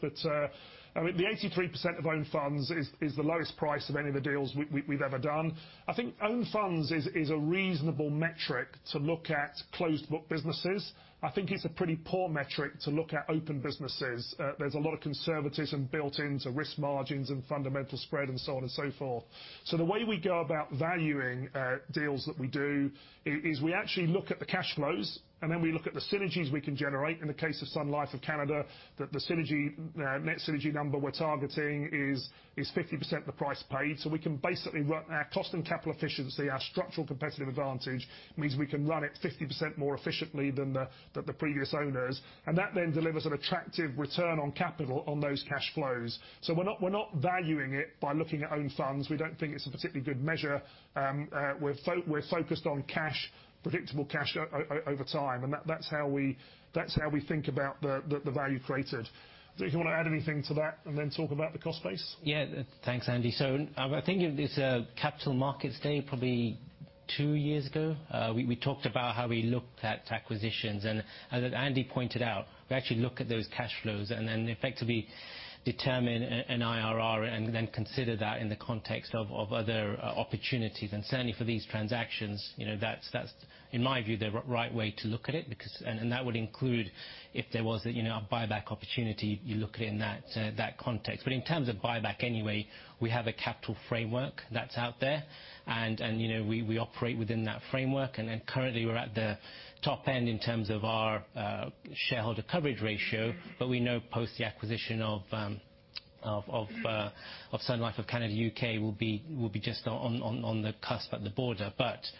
I mean, the 83% of Own Funds is the lowest price of any of the deals we've ever done. I think Own Funds is a reasonable metric to look at closed book businesses. I think it's a pretty poor metric to look at open businesses. There's a lot of conservatism built into risk margins and Fundamental Spread and so on and so forth. The way we go about valuing deals that we do is we actually look at the cash flows, and then we look at the synergies we can generate. In the case of Sun Life of Canada, the net synergy number we're targeting is 50% the price paid. We can basically run our cost and capital efficiency. Our structural competitive advantage means we can run it 50% more efficiently than the previous owners. That then delivers an attractive return on capital on those cash flows. We're not valuing it by looking at Own Funds. We don't think it's a particularly good measure. We're focused on cash, predictable cash over time, and that's how we think about the value created. Do you wanna add anything to that and then talk about the cost base? Yeah. Thanks, Andy. I think it is Capital Markets Day probably two years ago, we talked about how we looked at acquisitions. As Andy pointed out, we actually look at those cash flows and then effectively determine an IRR and then consider that in the context of other opportunities. Certainly for these transactions, you know, that's in my view, the right way to look at it because. That would include if there was a buyback opportunity, you look at it in that context. In terms of buyback anyway, we have a capital framework that's out there. We operate within that framework. Currently we're at the top end in terms of our Shareholder Capital Coverage Ratio, but we know post the acquisition of Sun Life of Canada U.K. will be just on the cusp of the border.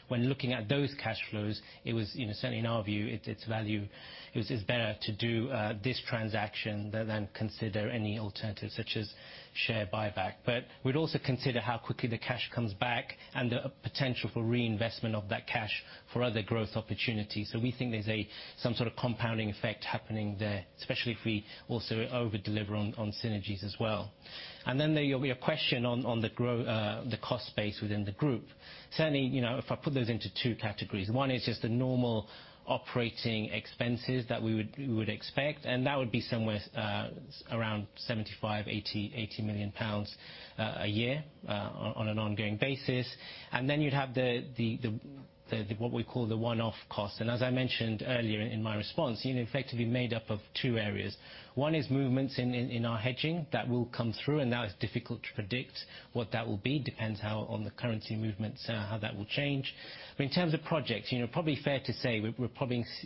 When looking at those cash flows, it was, you know, certainly in our view, it's value. It was just better to do this transaction than consider any alternatives such as share buyback. We'd also consider how quickly the cash comes back and the potential for reinvestment of that cash for other growth opportunities. We think there's some sort of compounding effect happening there, especially if we also over deliver on synergies as well. There will be a question on the cost base within the group. Certainly, you know, if I put those into two categories, one is just the normal operating expenses that we would expect, and that would be somewhere around 75 million-80 million pounds a year on an ongoing basis. Then you'd have the what we call the one-off cost. As I mentioned earlier in my response, you know, effectively made up of two areas. One is movements in our hedging. That will come through, and now it's difficult to predict what that will be. Depends on how the currency movements how that will change. In terms of projects, you know, probably fair to say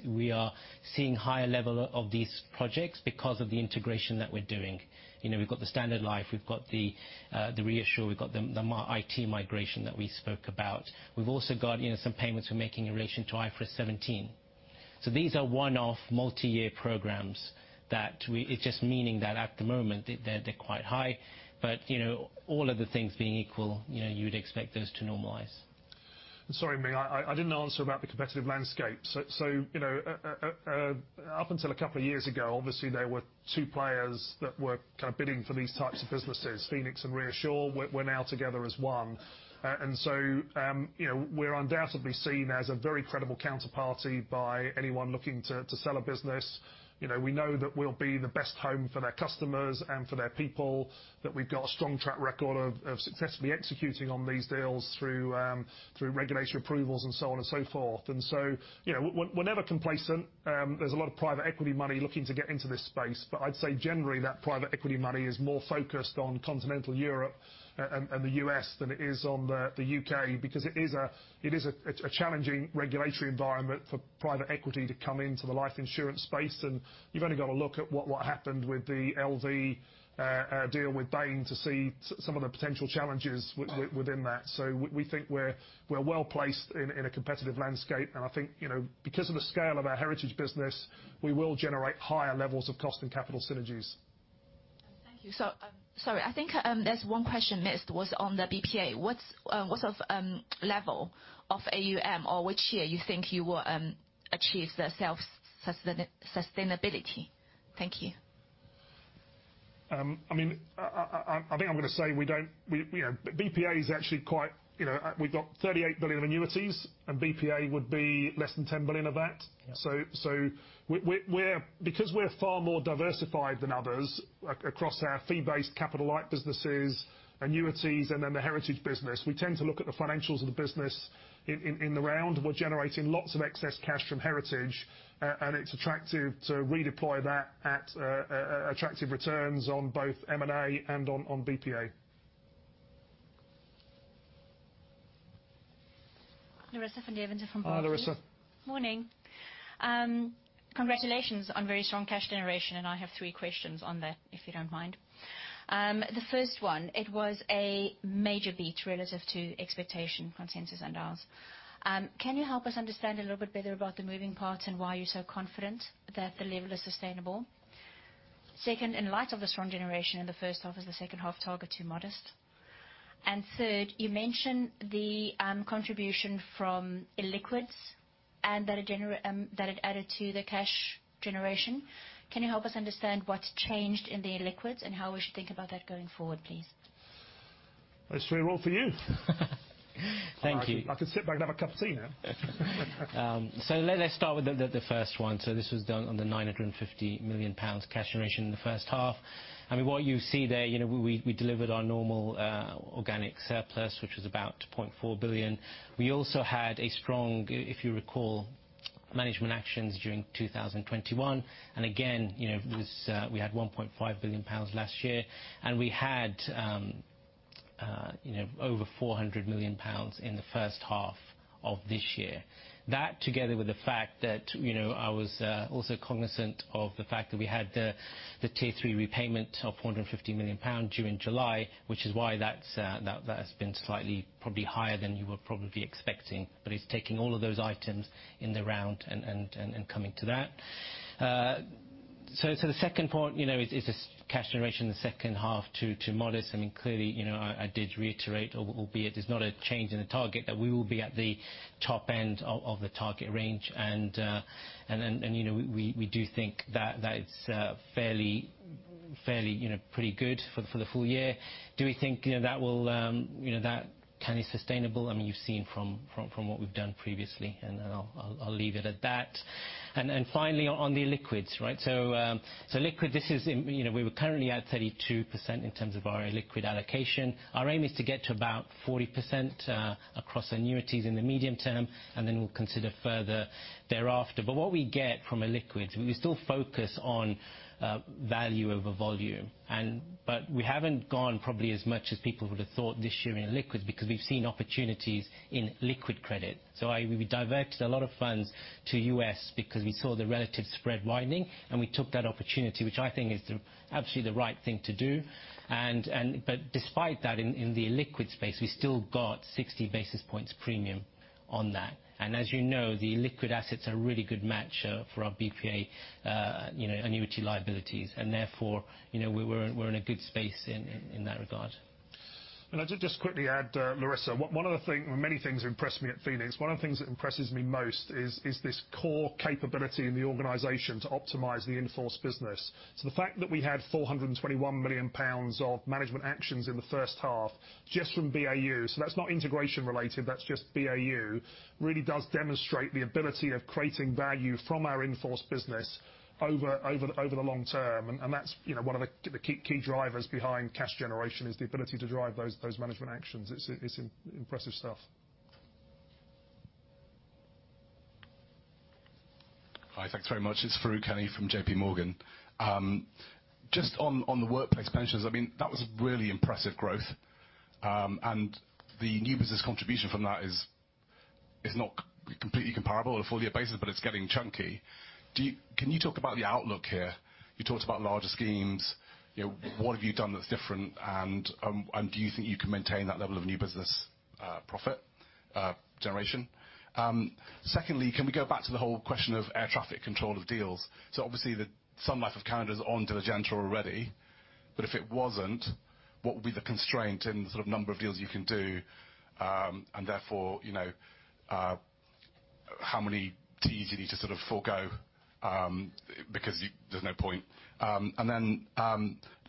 we are seeing higher level of these projects because of the integration that we're doing. You know, we've got the Standard Life. We've got the ReAssure. We've got the Mar IT migration that we spoke about. We've also got, you know, some payments we're making in relation to IFRS 17. These are one-off multiyear programs that we. It's just meaning that at the moment, they're quite high. You know, all other things being equal, you know, you'd expect those to normalize. Sorry, Ming. I didn't answer about the competitive landscape. You know, up until a couple of years ago, obviously, there were two players that were kind of bidding for these types of businesses. Phoenix and ReAssure were now together as one. You know, we're undoubtedly seen as a very credible counterparty by anyone looking to sell a business. You know, we know that we'll be the best home for their customers and for their people, that we've got a strong track record of successfully executing on these deals through regulatory approvals and so on and so forth. You know, we're never complacent. There's a lot of private equity money looking to get into this space. I'd say generally that private equity money is more focused on continental Europe and the U.S. than it is on the U.K.. Because it is a challenging regulatory environment for private equity to come into the life insurance space. You've only got to look at what happened with the LV= deal with Bain C to see some of the potential challenges within that. We think we're well-placed in a competitive landscape. I think, you know, because of the scale of our Heritage business, we will generate higher levels of cost and capital synergies. Thank you. Sorry. I think there's one question missed, was on the BPA. What level of AUM or which year you think you will achieve the self-sustainability? Thank you. I mean, I think I'm gonna say you know BPA is actually quite you know we've got 38 billion of annuities, and BPA would be less than 10 billion of that. We're far more diversified than others across our fee-based capital light businesses, annuities, and then the Heritage business. We tend to look at the financials of the business in the round. We're generating lots of excess cash from Heritage. It's attractive to redeploy that at attractive returns on both M&A and BPA. Larissa van Deventer from Barclays. Hi, Larissa. Morning. Congratulations on very strong cash generation, and I have three questions on that if you don't mind. The first one, it was a major beat relative to expectation consensus and ours. Can you help us understand a little bit better about the moving parts and why you're so confident that the level is sustainable? Second, in light of the strong generation in the first half, is the second half target too modest. Third, you mentioned the contribution from illiquids and that it added to the cash generation. Can you help us understand what's changed in the illiquids and how we should think about that going forward, please? That's three all for you. Thank you. I can sit back and have a cup of tea now. Let's start with the first one. This was done on the 950 million pounds cash generation in the first half. I mean, what you see there, you know, we delivered our normal organic surplus, which was about 2.4 billion. We also had a strong, if you recall, management actions during 2021. Again, you know, this we had 1.5 billion pounds last year. We had, you know, over 400 million pounds in the first half of this year. That together with the fact that, you know, I was also cognizant of the fact that we had the Tier 3 repayment of 450 million pounds due in July, which is why that has been slightly probably higher than you were probably expecting. It's taking all of those items in the round and coming to that. The second point, you know, is this cash generation in the second half too modest. I mean, clearly, you know, I did reiterate, albeit it is not a change in the target, that we will be at the top end of the target range. You know, we do think that it's fairly, you know, pretty good for the full year. Do we think, you know, that will that can be sustainable? I mean, you've seen from what we've done previously, and I'll leave it at that. Finally on the illiquids, right? You know, we were currently at 32% in terms of our illiquid allocation. Our aim is to get to about 40% across annuities in the medium term, and then we'll consider further thereafter. What we get from illiquids, we still focus on value over volume. We haven't gone probably as much as people would have thought this year in illiquids because we've seen opportunities in liquid credit. We diverted a lot of funds to U.S. because we saw the relative spread widening, and we took that opportunity, which I think is absolutely the right thing to do. But despite that, in the illiquid space, we still got 60 basis points premium on that. As you know, the liquid assets are a really good match for our BPA annuity liabilities. Therefore, you know, we're in a good space in that regard. I'll just quickly add, Larissa, many things impressed me at Phoenix. One of the things that impresses me most is this core capability in the organization to optimize the in-force business. The fact that we had 421 million pounds of management actions in the first half just from BAU, that's not integration related, that's just BAU, really does demonstrate the ability of creating value from our in-force business over the long term. That's, you know, one of the key drivers behind cash generation, the ability to drive those management actions. It's impressive stuff. Hi, thanks very much. It's Farooq Hanif from J.P. Morgan. Just on the workplace pensions, I mean, that was really impressive growth. The new business contribution from that is not completely comparable on a full year basis, but it's getting chunky. Can you talk about the outlook here? You talked about larger schemes. You know, what have you done that's different, and do you think you can maintain that level of new business profit generation? Secondly, can we go back to the whole question of air traffic control of deals? Obviously, the Sun Life of Canada is on Diligenta already. If it wasn't, what would be the constraint in the sort of number of deals you can do? Therefore, you know, how many deals you need to sort of forego because you. There's no point.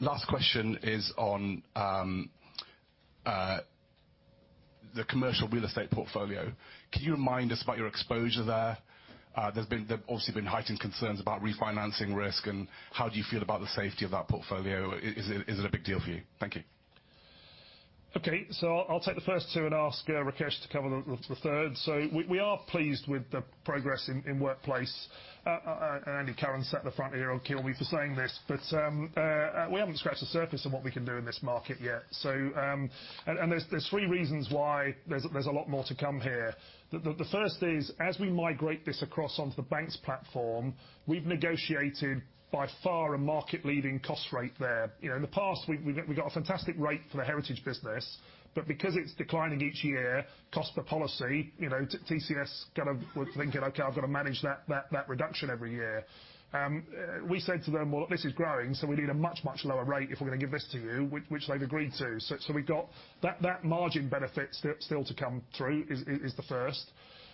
Last question is on the commercial real estate portfolio. Can you remind us about your exposure there? There's obviously been heightened concerns about refinancing risk, and how do you feel about the safety of that portfolio? Is it a big deal for you? Thank you. Okay. I'll take the first two and ask Rakesh to cover the third. We are pleased with the progress in workplace. Karen sat in the front here will kill me for saying this, but we haven't scratched the surface on what we can do in this market yet. There's three reasons why there's a lot more to come here. The first is as we migrate this across onto the BaNCS platform, we've negotiated by far a market leading cost rate there. You know, in the past we got a fantastic rate for the heritage business. But because it's declining each year, cost per policy, you know, TCS kind of were thinking, okay, I've got to manage that reduction every year. We said to them, "Well, this is growing, so we need a much lower rate if we're gonna give this to you," which they've agreed to. So we've got that margin benefit still to come through, is the first.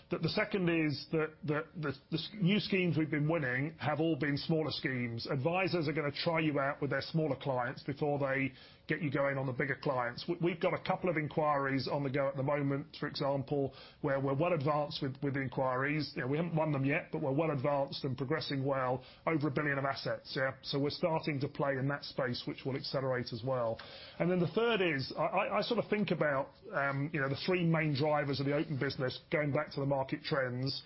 The second is that the new schemes we've been winning have all been smaller schemes. Advisors are gonna try you out with their smaller clients before they get you going on the bigger clients. We've got a couple of inquiries on the go at the moment, for example, where we're well advanced with inquiries. You know, we haven't won them yet, but we're well advanced and progressing well over 1 billion of assets, yeah. We're starting to play in that space, which will accelerate as well. I sort of think about the three main drivers of the open business going back to the market trends,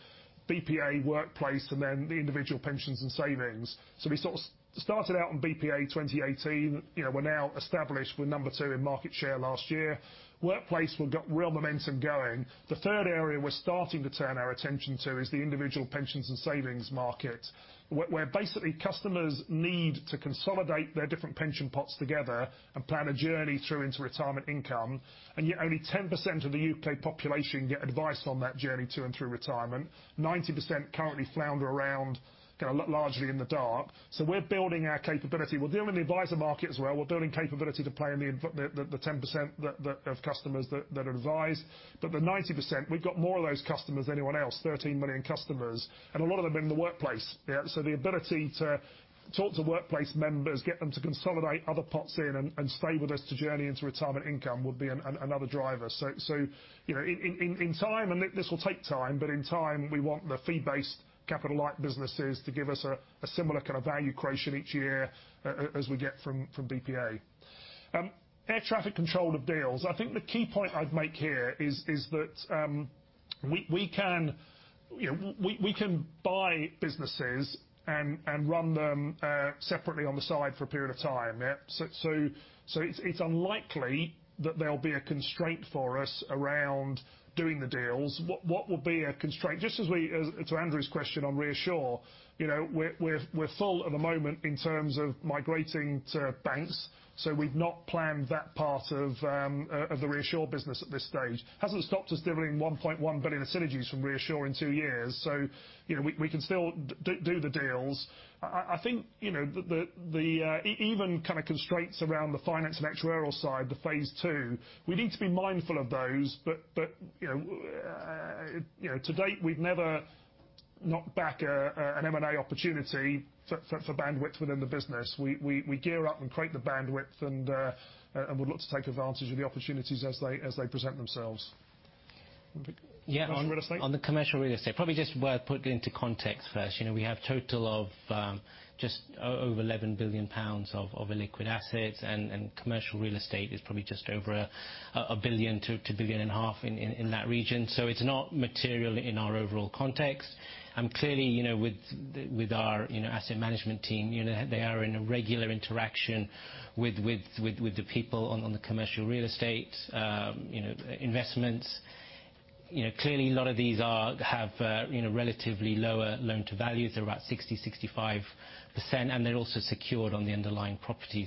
BPA, workplace, and then the individual pensions and savings. We sort of started out on BPA 2018, you know, we're now established, we're number two in market share last year. Workplace, we've got real momentum going. The third area we're starting to turn our attention to is the individual pensions and savings market, where basically customers need to consolidate their different pension pots together and plan a journey through into retirement income. Yet only 10% of the U.K. population get advice on that journey to and through retirement. 90% currently flounder around kinda largely in the dark. We're building our capability. We're dealing with the advisor market as well. We're building capability to play in the 10% of customers that advise. The 90%, we've got more of those customers than anyone else, 13 million customers, and a lot of them are in the workplace, yeah. The ability to talk to workplace members, get them to consolidate other pots in and stay with us to journey into retirement income would be another driver. You know, in time, and this will take time, but in time, we want the fee-based capital light businesses to give us a similar kind of value creation each year as we get from BPA. Air traffic control of deals. I think the key point I'd make here is that we can, you know, we can buy businesses and run them separately on the side for a period of time, yeah. It's unlikely that there'll be a constraint for us around doing the deals. What will be a constraint, to Andrew's question on ReAssure, you know, we're full at the moment in terms of migrating to BaNCS. We've not planned that part of the ReAssure business at this stage. Hasn't stopped us delivering 1.1 billion of synergies from ReAssure in two years. You know, we can still do the deals. I think you know even kind of constraints around the finance and actuarial side, the phase II, we need to be mindful of those. You know to date we've never knocked back an M&A opportunity for bandwidth within the business. We gear up and create the bandwidth and would look to take advantage of the opportunities as they present themselves. Rakesh commercial real estate. On the commercial real estate. Probably just worth putting into context first. You know, we have a total of just over 11 billion pounds of illiquid assets and commercial real estate is probably just over 1 billion-1.5 billion in that region. It's not material in our overall context. Clearly, you know, with our you know, asset management team, you know, they are in a regular interaction with the people on the commercial real estate you know, investments. You know, clearly a lot of these have you know, relatively lower loan-to-value. They're about 65%, and they're also secured on the underlying property.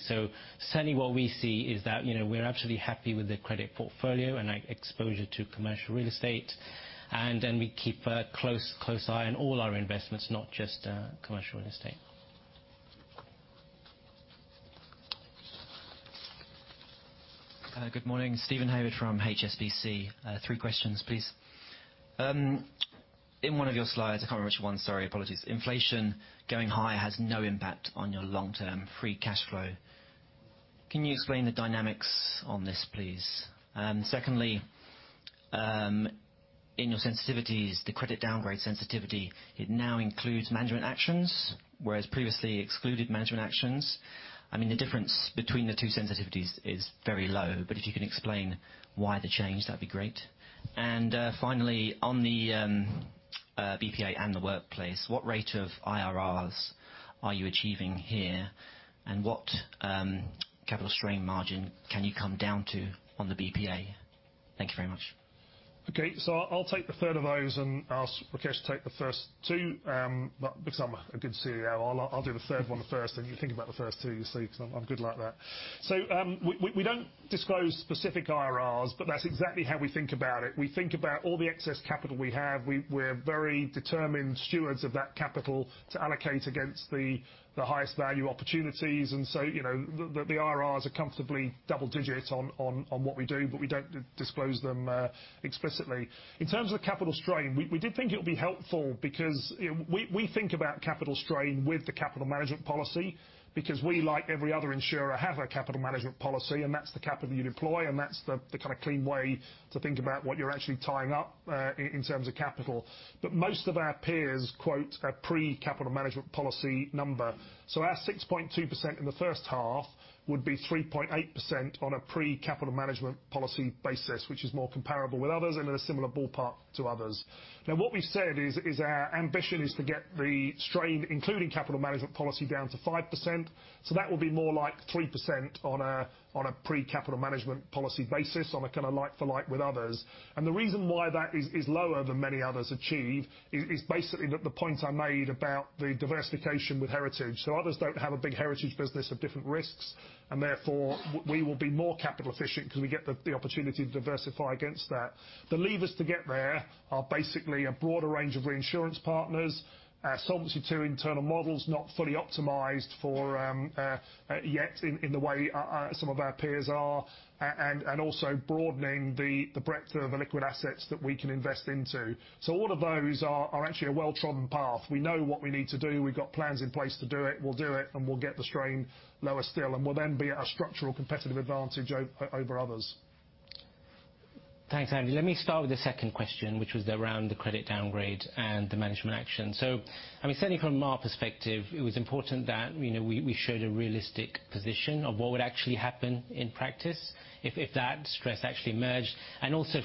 Certainly what we see is that, you know, we're absolutely happy with the credit portfolio and our exposure to commercial real estate. We keep a close eye on all our investments, not just commercial real estate. Good morning. Steven Haywood from HSBC. Three questions please. In one of your slides, I can't remember which one. Sorry, apologies. Inflation going high has no impact on your long-term free cashflow. Can you explain the dynamics on this please? Secondly, in your sensitivities, the credit downgrade sensitivity, it now includes management actions, whereas previously excluded management actions. I mean, the difference between the two sensitivities is very low, but if you can explain why the change, that'd be great. Finally on the BPA and the workplace, what rate of IRRs are you achieving here? What capital strain margin can you come down to on the BPA? Thank you very much. Okay. I'll take the third of those and ask Rakesh to take the first two. Because I'm a good CEO, I'll do the third one first, and you think about the first two, you see, because I'm good like that. We don't disclose specific IRRs, but that's exactly how we think about it. We think about all the excess capital we have. We're very determined stewards of that capital to allocate against the highest value opportunities. You know, the IRRs are comfortably double digits on what we do, but we don't disclose them explicitly. In terms of the capital strain, we did think it would be helpful because, you know, we think about capital strain with the capital management policy because we, like every other insurer, have a capital management policy, and that's the capital you deploy, and that's the kind of clean way to think about what you're actually tying up in terms of capital. Most of our peers quote a pre-capital management policy number. Our 6.2% in the first half would be 3.8% on a pre-capital management policy basis, which is more comparable with others and in a similar ballpark to others. Now, what we've said is our ambition is to get the strain, including capital management policy, down to 5%. That will be more like 3% on a pre-capital management policy basis, on a kind of like for like with others. The reason why that is lower than many others achieve is basically the point I made about the diversification with Heritage. Others don't have a big Heritage business of different risks, and therefore we will be more capital efficient because we get the opportunity to diversify against that. The levers to get there are basically a broader range of reinsurance partners, our Solvency II internal models not fully optimized yet in the way some of our peers are, and also broadening the breadth of the liquid assets that we can invest into. All of those are actually a well-trodden path. We know what we need to do. We've got plans in place to do it, we'll do it, and we'll get the strain lower still, and we'll then be at a structural competitive advantage over others. Thanks, Andy. Let me start with the second question, which was around the credit downgrade and the management action. I mean, certainly from our perspective, it was important that, you know, we showed a realistic position of what would actually happen in practice if that stress actually emerged, and also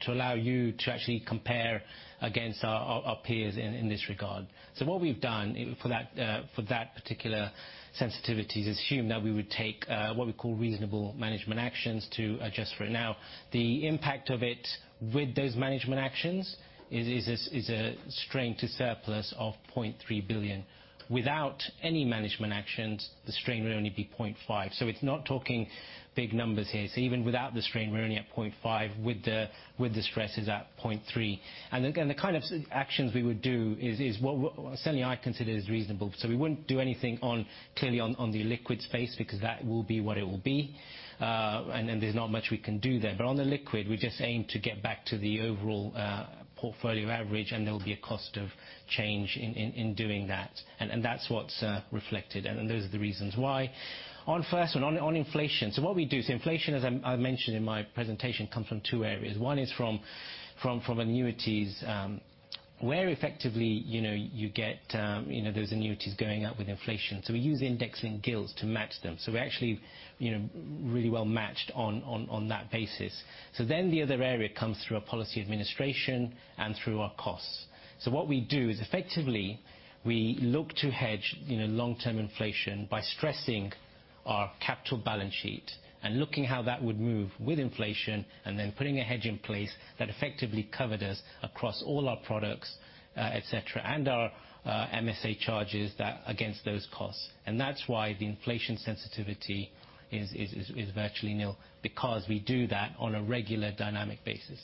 to allow you to actually compare against our peers in this regard. What we've done for that particular sensitivity is assume that we would take what we call reasonable management actions to adjust for it. Now, the impact of it with those management actions is a strain to surplus of 0.3 billion. Without any management actions, the strain would only be 0.5 billion. It's not talking big numbers here. Even without the strain, we're only at 0.5 billion. With the stress, it's at 0.3 billion. Again, the kind of actions we would do is what I certainly consider is reasonable. We wouldn't do anything on, clearly on the illiquid space because that will be what it will be. There's not much we can do there. On the illiquid, we just aim to get back to the overall portfolio average, and there will be a cost of change in doing that. That's what's reflected, and those are the reasons why. On the first one, on inflation. What we do, inflation, as I mentioned in my presentation, comes from two areas. One is from annuities, where effectively you know you get those annuities going up with inflation. We use index-linked gilts to match them. We're actually, you know, really well matched on that basis. The other area comes through our policy administration and through our costs. What we do is effectively we look to hedge, you know, long-term inflation by stressing our capital balance sheet and looking how that would move with inflation, and then putting a hedge in place that effectively covered us across all our products, et cetera, and our MSA charges against those costs. That's why the inflation sensitivity is virtually nil, because we do that on a regular dynamic basis.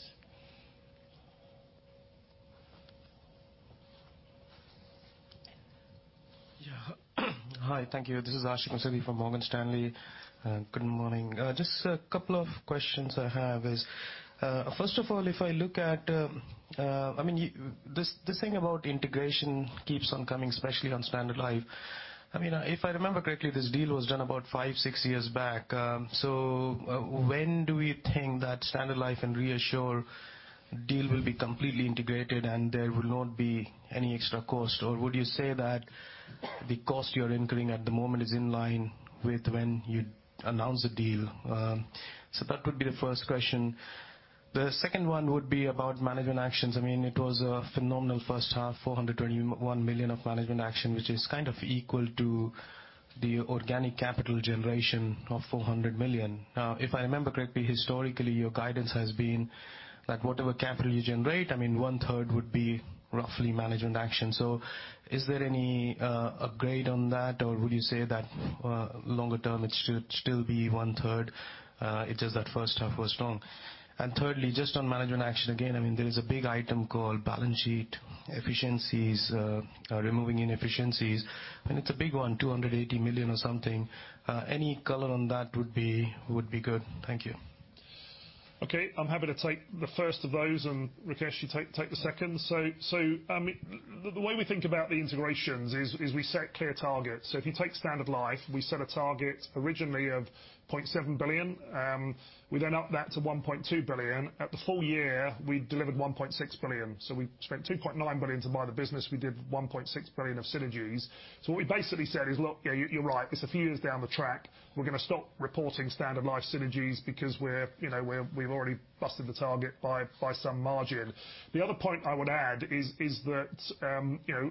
Yeah. Hi. Thank you. This is Ashik Musaddi from Morgan Stanley. Good morning. Just a couple of questions I have is, first of all, if I look at, I mean, this thing about integration keeps on coming, especially on Standard Life. I mean, if I remember correctly, this deal was done about five-six years back. So when do we think that Standard Life and ReAssure deal will be completely integrated and there will not be any extra cost? Or would you say that the cost you're incurring at the moment is in line with when you announced the deal? So that would be the first question. The second one would be about management actions. I mean, it was a phenomenal first half, 421 million of management action, which is kind of equal to the organic capital generation of 400 million. Now, if I remember correctly, historically, your guidance has been that whatever capital you generate, I mean, 1/3 would be roughly management action. So is there any grade on that, or would you say that longer term it should still be 1/3, it's just that first half was strong? Thirdly, just on management action again, I mean, there is a big item called balance sheet efficiencies, removing inefficiencies, and it's a big one, 280 million or something. Any color on that would be good. Thank you. Okay. I'm happy to take the first of those, and Rakesh, you take the second. The way we think about the integrations is we set clear targets. If you take Standard Life, we set a target originally of 0.7 billion. We then upped that to 1.2 billion. At the full year, we delivered 1.6 billion. We spent 2.9 billion to buy the business, we did 1.6 billion of synergies. What we basically said is, "Look, yeah, you're right. It's a few years down the track. We're gonna stop reporting Standard Life synergies because we're, you know, we've already busted the target by some margin." The other point I would add is that, you know,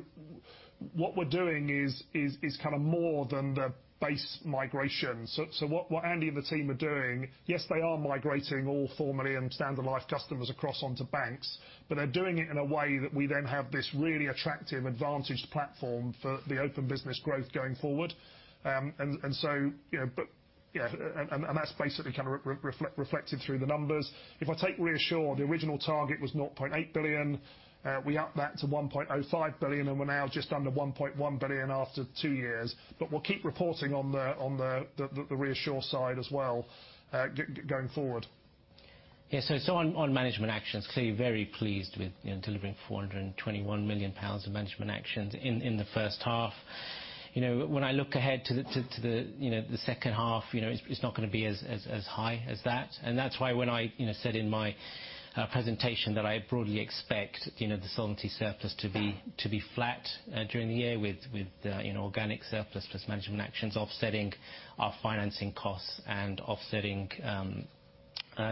what we're doing is kind of more than the base migration. What Andy and the team are doing, yes, they are migrating all formerly Standard Life customers across onto BaNCS, but they're doing it in a way that we then have this really attractive advantaged platform for the open business growth going forward. That's basically kind of reflected through the numbers. If I take ReAssure, the original target was 0.8 billion. We upped that to 1.05 billion, and we're now just under 1.1 billion after two years. We'll keep reporting on the ReAssure side as well, going forward. On management actions, clearly very pleased with delivering 421 million pounds of management actions in the first half. When I look ahead to the second half, it's not gonna be as high as that, and that's why when I said in my presentation that I broadly expect the solvency surplus to be flat during the year with organic surplus plus management actions offsetting our financing costs and offsetting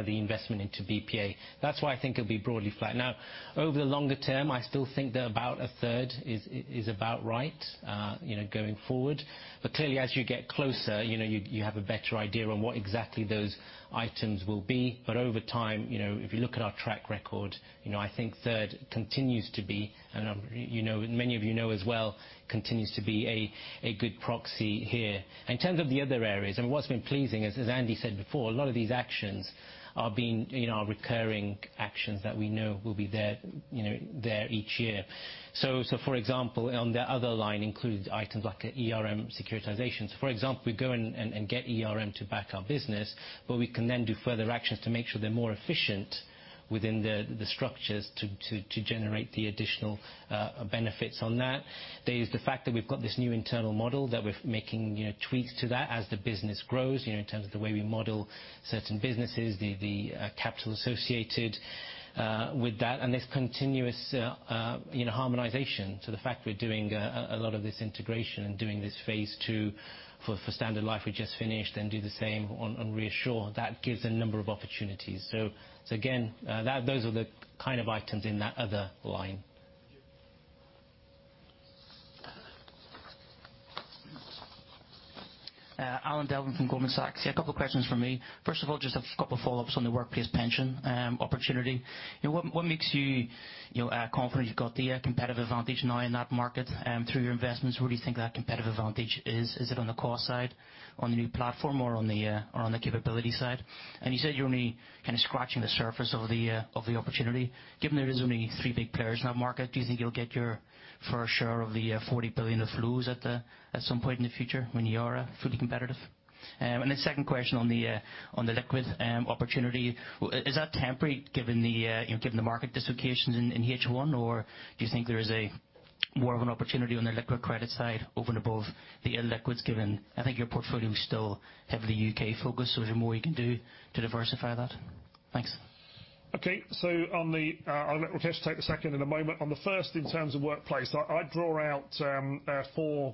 the investment into BPA. That's why I think it'll be broadly flat. Now, over the longer term, I still think that about a third is about right going forward. Clearly, as you get closer, you know, you have a better idea on what exactly those items will be. Over time, you know, if you look at our track record, you know, I think third, continues to be, and you know, many of you know as well, a good proxy here. In terms of the other areas, and what's been pleasing is, as Andy said before, a lot of these actions are being, you know, recurring actions that we know will be there, you know, there each year. For example, on the other line includes items like ERM securitizations. For example, we go and get ERM to back our business, but we can then do further actions to make sure they're more efficient within the structures to generate the additional benefits on that. There is the fact that we've got this new internal model, that we're making, you know, tweaks to that as the business grows, you know, in terms of the way we model certain businesses, the capital associated with that, and this continuous, you know, harmonization. The fact we're doing a lot of this integration and doing this phase II for Standard Life we just finished, then do the same on ReAssure, that gives a number of opportunities. Again, those are the kind of items in that other line. Thank you. Alan Devlin from Goldman Sachs. Yeah, a couple questions from me. First of all, just a couple follow-ups on the workplace pension opportunity. You know, what makes you know, confident you've got the competitive advantage now in that market through your investments? Where do you think that competitive advantage is? Is it on the cost side, on the new platform or on the capability side? And you said you're only kind of scratching the surface of the opportunity. Given there is only three big players in that market, do you think you'll get your fair share of the 40 billion of flows at some point in the future when you are fully competitive? The second question on the liquid opportunity is that temporary given the you know given the market dislocations in H1? Or do you think there is a more of an opportunity on the liquid credit side over and above the illiquids given I think your portfolio is still heavily U.K. focused so is there more you can do to diversify that? Thanks. Okay. On the, I'll let Rakesh take the second in a moment. On the first, in terms of workplace, I'd draw out four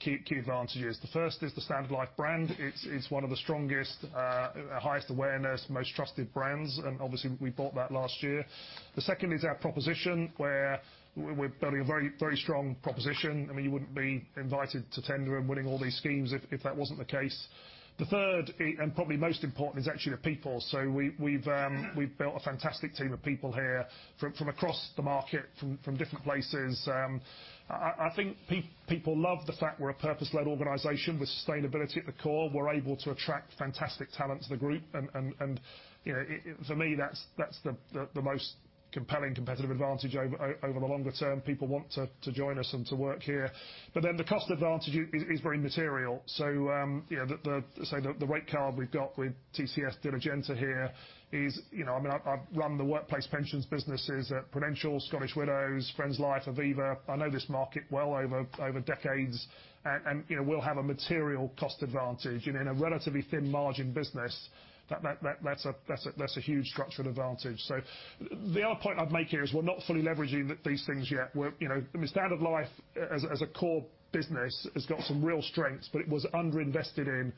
key advantages. The first is the Standard Life brand. It's one of the strongest, highest awareness, most trusted brands, and obviously we bought that last year. The second is our proposition, where we're building a very strong proposition. I mean, you wouldn't be invited to tender and winning all these schemes if that wasn't the case. The third, and probably most important, is actually the people. We've built a fantastic team of people here from across the market, from different places. I think people love the fact we're a purpose led organization with sustainability at the core. We're able to attract fantastic talent to the group. You know, for me, that's the most compelling competitive advantage over the longer term. People want to join us and to work here. The cost advantage is very material. The rate card we've got with TCS Diligenta here is, you know. I mean, I've run the workplace pensions businesses at Prudential, Scottish Widows, Friends Life, Aviva. I know this market well over decades. You know, we'll have a material cost advantage. In a relatively thin margin business, that's a huge structural advantage. The other point I'd make here is we're not fully leveraging these things yet. We're, you know. I mean, Standard Life as a core business has got some real strengths, but it was underinvested in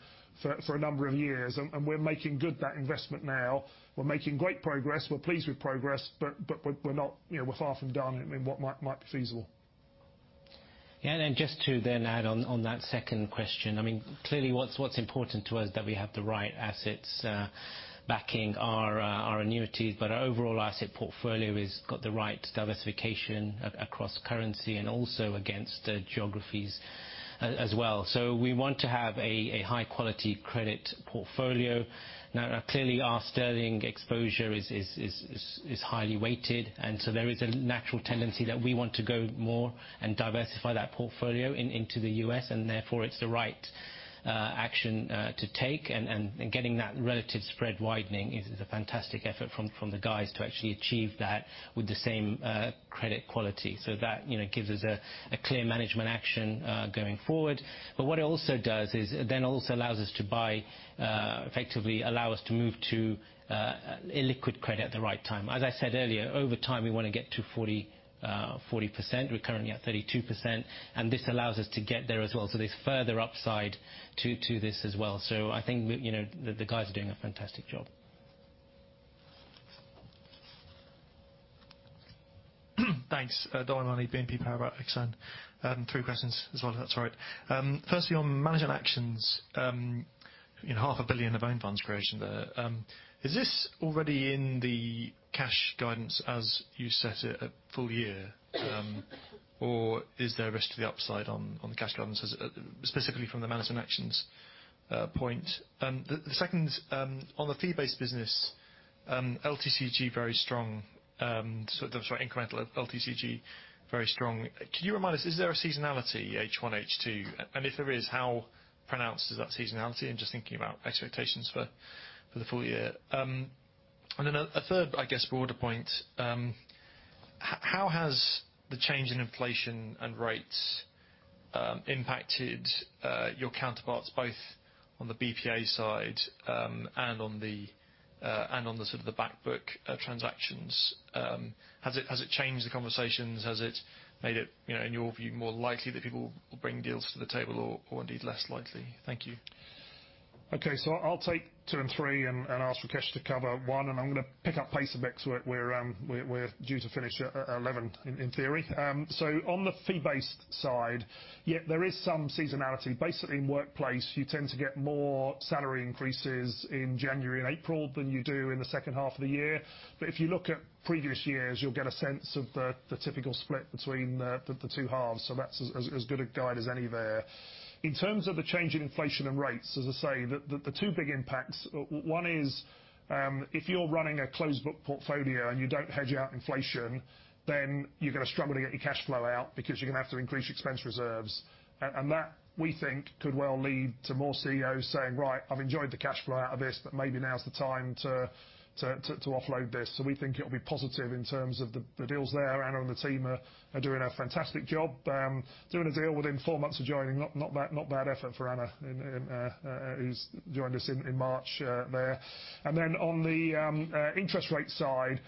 for a number of years, and we're making good that investment now. We're making great progress. We're pleased with progress, but we're not, you know, we're half done in what might be feasible. Just to then add on to that second question. I mean, clearly, what's important to us that we have the right assets backing our annuities. Our overall asset portfolio has got the right diversification across currency and also against the geographies as well. We want to have a high quality credit portfolio. Now, clearly, our sterling exposure is highly weighted, and there is a natural tendency that we want to go more and diversify that portfolio into the U.S.. Therefore, it's the right action to take. Getting that relative spread widening is a fantastic effort from the guys to actually achieve that with the same credit quality. That, you know, gives us a clear management action going forward. What it also does is it then also allows us to buy effectively allow us to move to illiquid credit at the right time. As I said earlier, over time, we wanna get to 40%. We're currently at 32%. This allows us to get there as well. There's further upside to this as well. I think we, you know, the guys are doing a fantastic job. Thanks. Dominic O'Mahony, BNP Paribas Exane. I have three questions as well, if that's all right. Firstly, on management actions. You know, 0.5 billion of Own Funds creation there. Is this already in the cash guidance as you set it at full year? Or is there a risk to the upside on the cash guidance specifically from the management actions point. The second, on the fee-based business. LTCG very strong. So the sort of incremental LTCG very strong. Can you remind us, is there a seasonality H1, H2? And if there is, how pronounced is that seasonality? I'm just thinking about expectations for the full year. And then a third, I guess, broader point. How has the change in inflation and rates impacted your counterparts, both on the BPA side, and on the sort of the back book transactions? Has it changed the conversations? Has it made it, you know, in your view, more likely that people will bring deals to the table or indeed less likely? Thank you. Okay, I'll take two and three and ask Rakesh to cover one. I'm gonna pick up pace a bit 'cause we're due to finish at 11 in theory. On the fee-based side, yeah, there is some seasonality. Basically, in workplace, you tend to get more salary increases in January and April than you do in the second half of the year. If you look at previous years, you'll get a sense of the typical split between the two halves. That's as good a guide as any there. In terms of the change in inflation and rates, as I say, the two big impacts. One is if you're running a closed book portfolio and you don't hedge out inflation, then you're gonna struggle to get your cash flow out because you're gonna have to increase expense reserves. That, we think, could well lead to more CEOs saying, "Right, I've enjoyed the cash flow out of this, but maybe now's the time to offload this." We think it'll be positive in terms of the deals there. Anna and the team are doing a fantastic job, doing a deal within four months of joining. Not bad, not a bad effort for Anna, who's joined us in March there. Then on the interest rate side.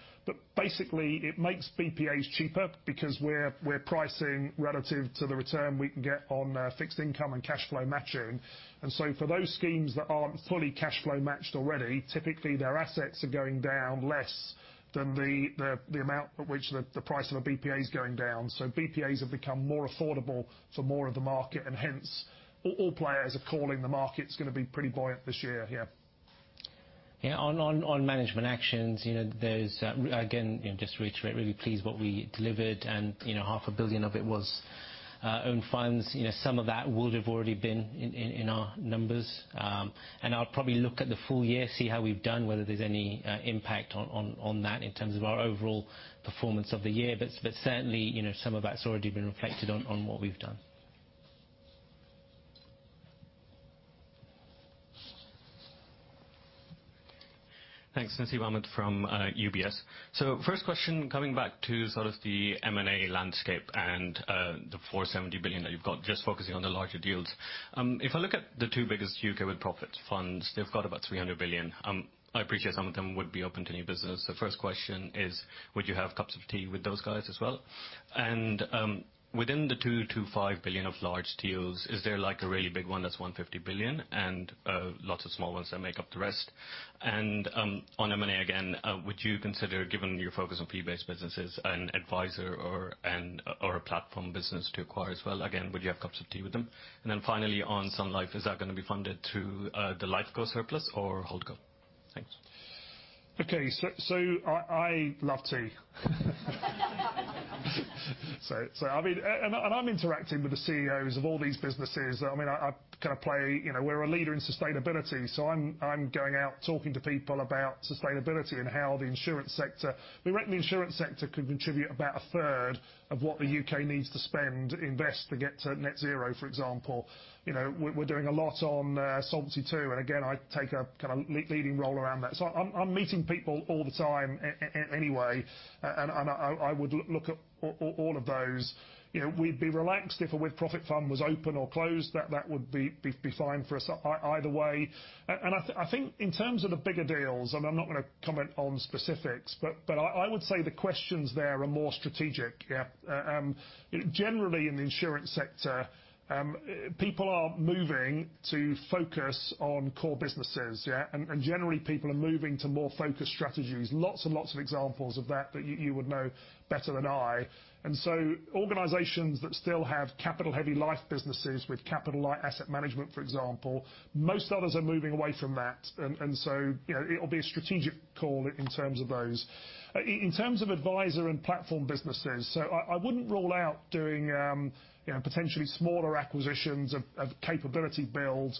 Basically, it makes BPAs cheaper because we're pricing relative to the return we can get on fixed income and cash flow matching. For those schemes that aren't fully cash flow matched already, typically their assets are going down less than the amount at which the price of a BPA is going down. BPAs have become more affordable for more of the market, and hence all players are calling the market's gonna be pretty buoyant this year, yeah. Yeah. On management actions, you know, there's again, you know, just to reiterate, really pleased what we delivered and, you know, 0.5 billion of it was Own Funds. You know, some of that would have already been in our numbers. And I'll probably look at the full year, see how we've done, whether there's any impact on that in terms of our overall performance of the year. But certainly, you know, some of that's already been reflected on what we've done. Thanks. Nasib Ahmed from UBS. First question, coming back to sort of the M&A landscape and the 470 billion that you've got, just focusing on the larger deals. If I look at the two biggest U.K. with profit funds, they've got about 300 billion. I appreciate some of them would be open to new business. The first question is, would you have cups of tea with those guys as well? Within the 2 billion-5 billion of large deals, is there like a really big one that's 150 billion and lots of small ones that make up the rest? On M&A again, would you consider, given your focus on fee-based businesses, an advisor or a platform business to acquire as well? Again, would you have cups of tea with them? Finally on Sun Life, is that gonna be funded through the LifeCo surplus or HoldCo? Thanks. I love tea. I mean, I'm interacting with the CEOs of all these businesses. I mean, I kind of play. You know, we're a leader in sustainability, so I'm going out talking to people about sustainability and how the insurance sector could contribute about a third of what the U.K. needs to spend, invest to get to net zero, for example. You know, we're doing a lot on Solvency II. I take a kind of leading role around that. I'm meeting people all the time anyway, and I would look at all of those. You know, we'd be relaxed if a with profit fund was open or closed. That would be fine for us either way. I think in terms of the bigger deals, and I'm not gonna comment on specifics, but I would say the questions there are more strategic, yeah. Generally in the insurance sector, people are moving to focus on core businesses, yeah? Generally people are moving to more focused strategies. Lots of examples of that, but you would know better than I. Organizations that still have capital heavy life businesses with capital asset management, for example, most others are moving away from that. You know, it'll be a strategic call in terms of those. In terms of advisor and platform businesses, I wouldn't rule out doing, you know, potentially smaller acquisitions of capability build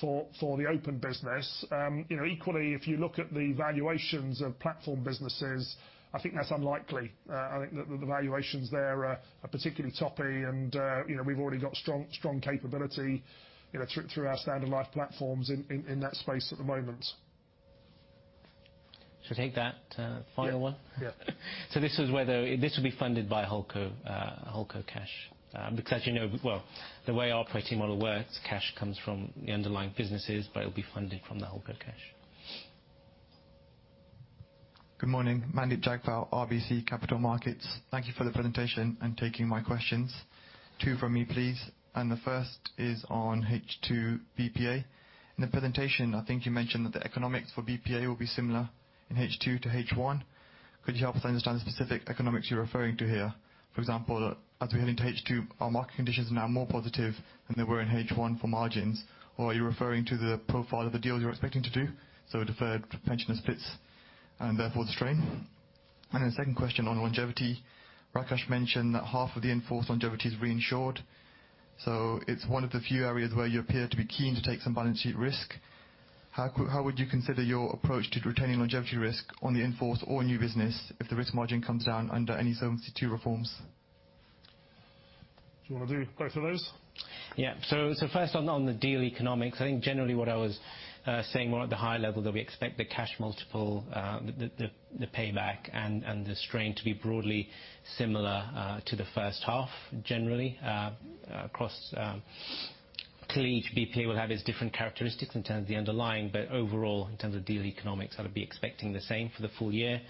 for the open business. You know, equally, if you look at the valuations of platform businesses. I think that's unlikely. I think the valuations there are particularly toppy and, you know, we've already got strong capability, you know, through our Standard Life platforms in that space at the moment. Shall I take that, final one? Yeah. This will be funded by HoldCo cash. Because as you know, the way our pricing model works, cash comes from the underlying businesses, but it will be funded from the HoldCo cash. Good morning. Mandeep Jagpal, RBC Capital Markets. Thank you for the presentation and taking my questions. Two from me, please, and the first is on H2 BPA. In the presentation, I think you mentioned that the economics for BPA will be similar in H2 to H1. Could you help us understand the specific economics you're referring to here? For example, as we head into H2, are market conditions now more positive than they were in H1 for margins, or are you referring to the profile of the deals you're expecting to do, so deferred pension splits and therefore the strain? The second question on longevity. Rakesh mentioned that half of the in-force longevity is reinsured. It's one of the few areas where you appear to be keen to take some balance sheet risk. How could-- How would you consider your approach to retaining longevity risk on the in-force or new business if the risk margin comes down under any Solvency II reforms? Do you wanna do both of those? Yeah. First on the deal economics. I think generally what I was saying more at the high level that we expect the cash multiple, the payback and the strain to be broadly similar to the first half generally across. Clearly each BPA will have its different characteristics in terms of the underlying, but overall, in terms of deal economics, I would be expecting the same for the full year.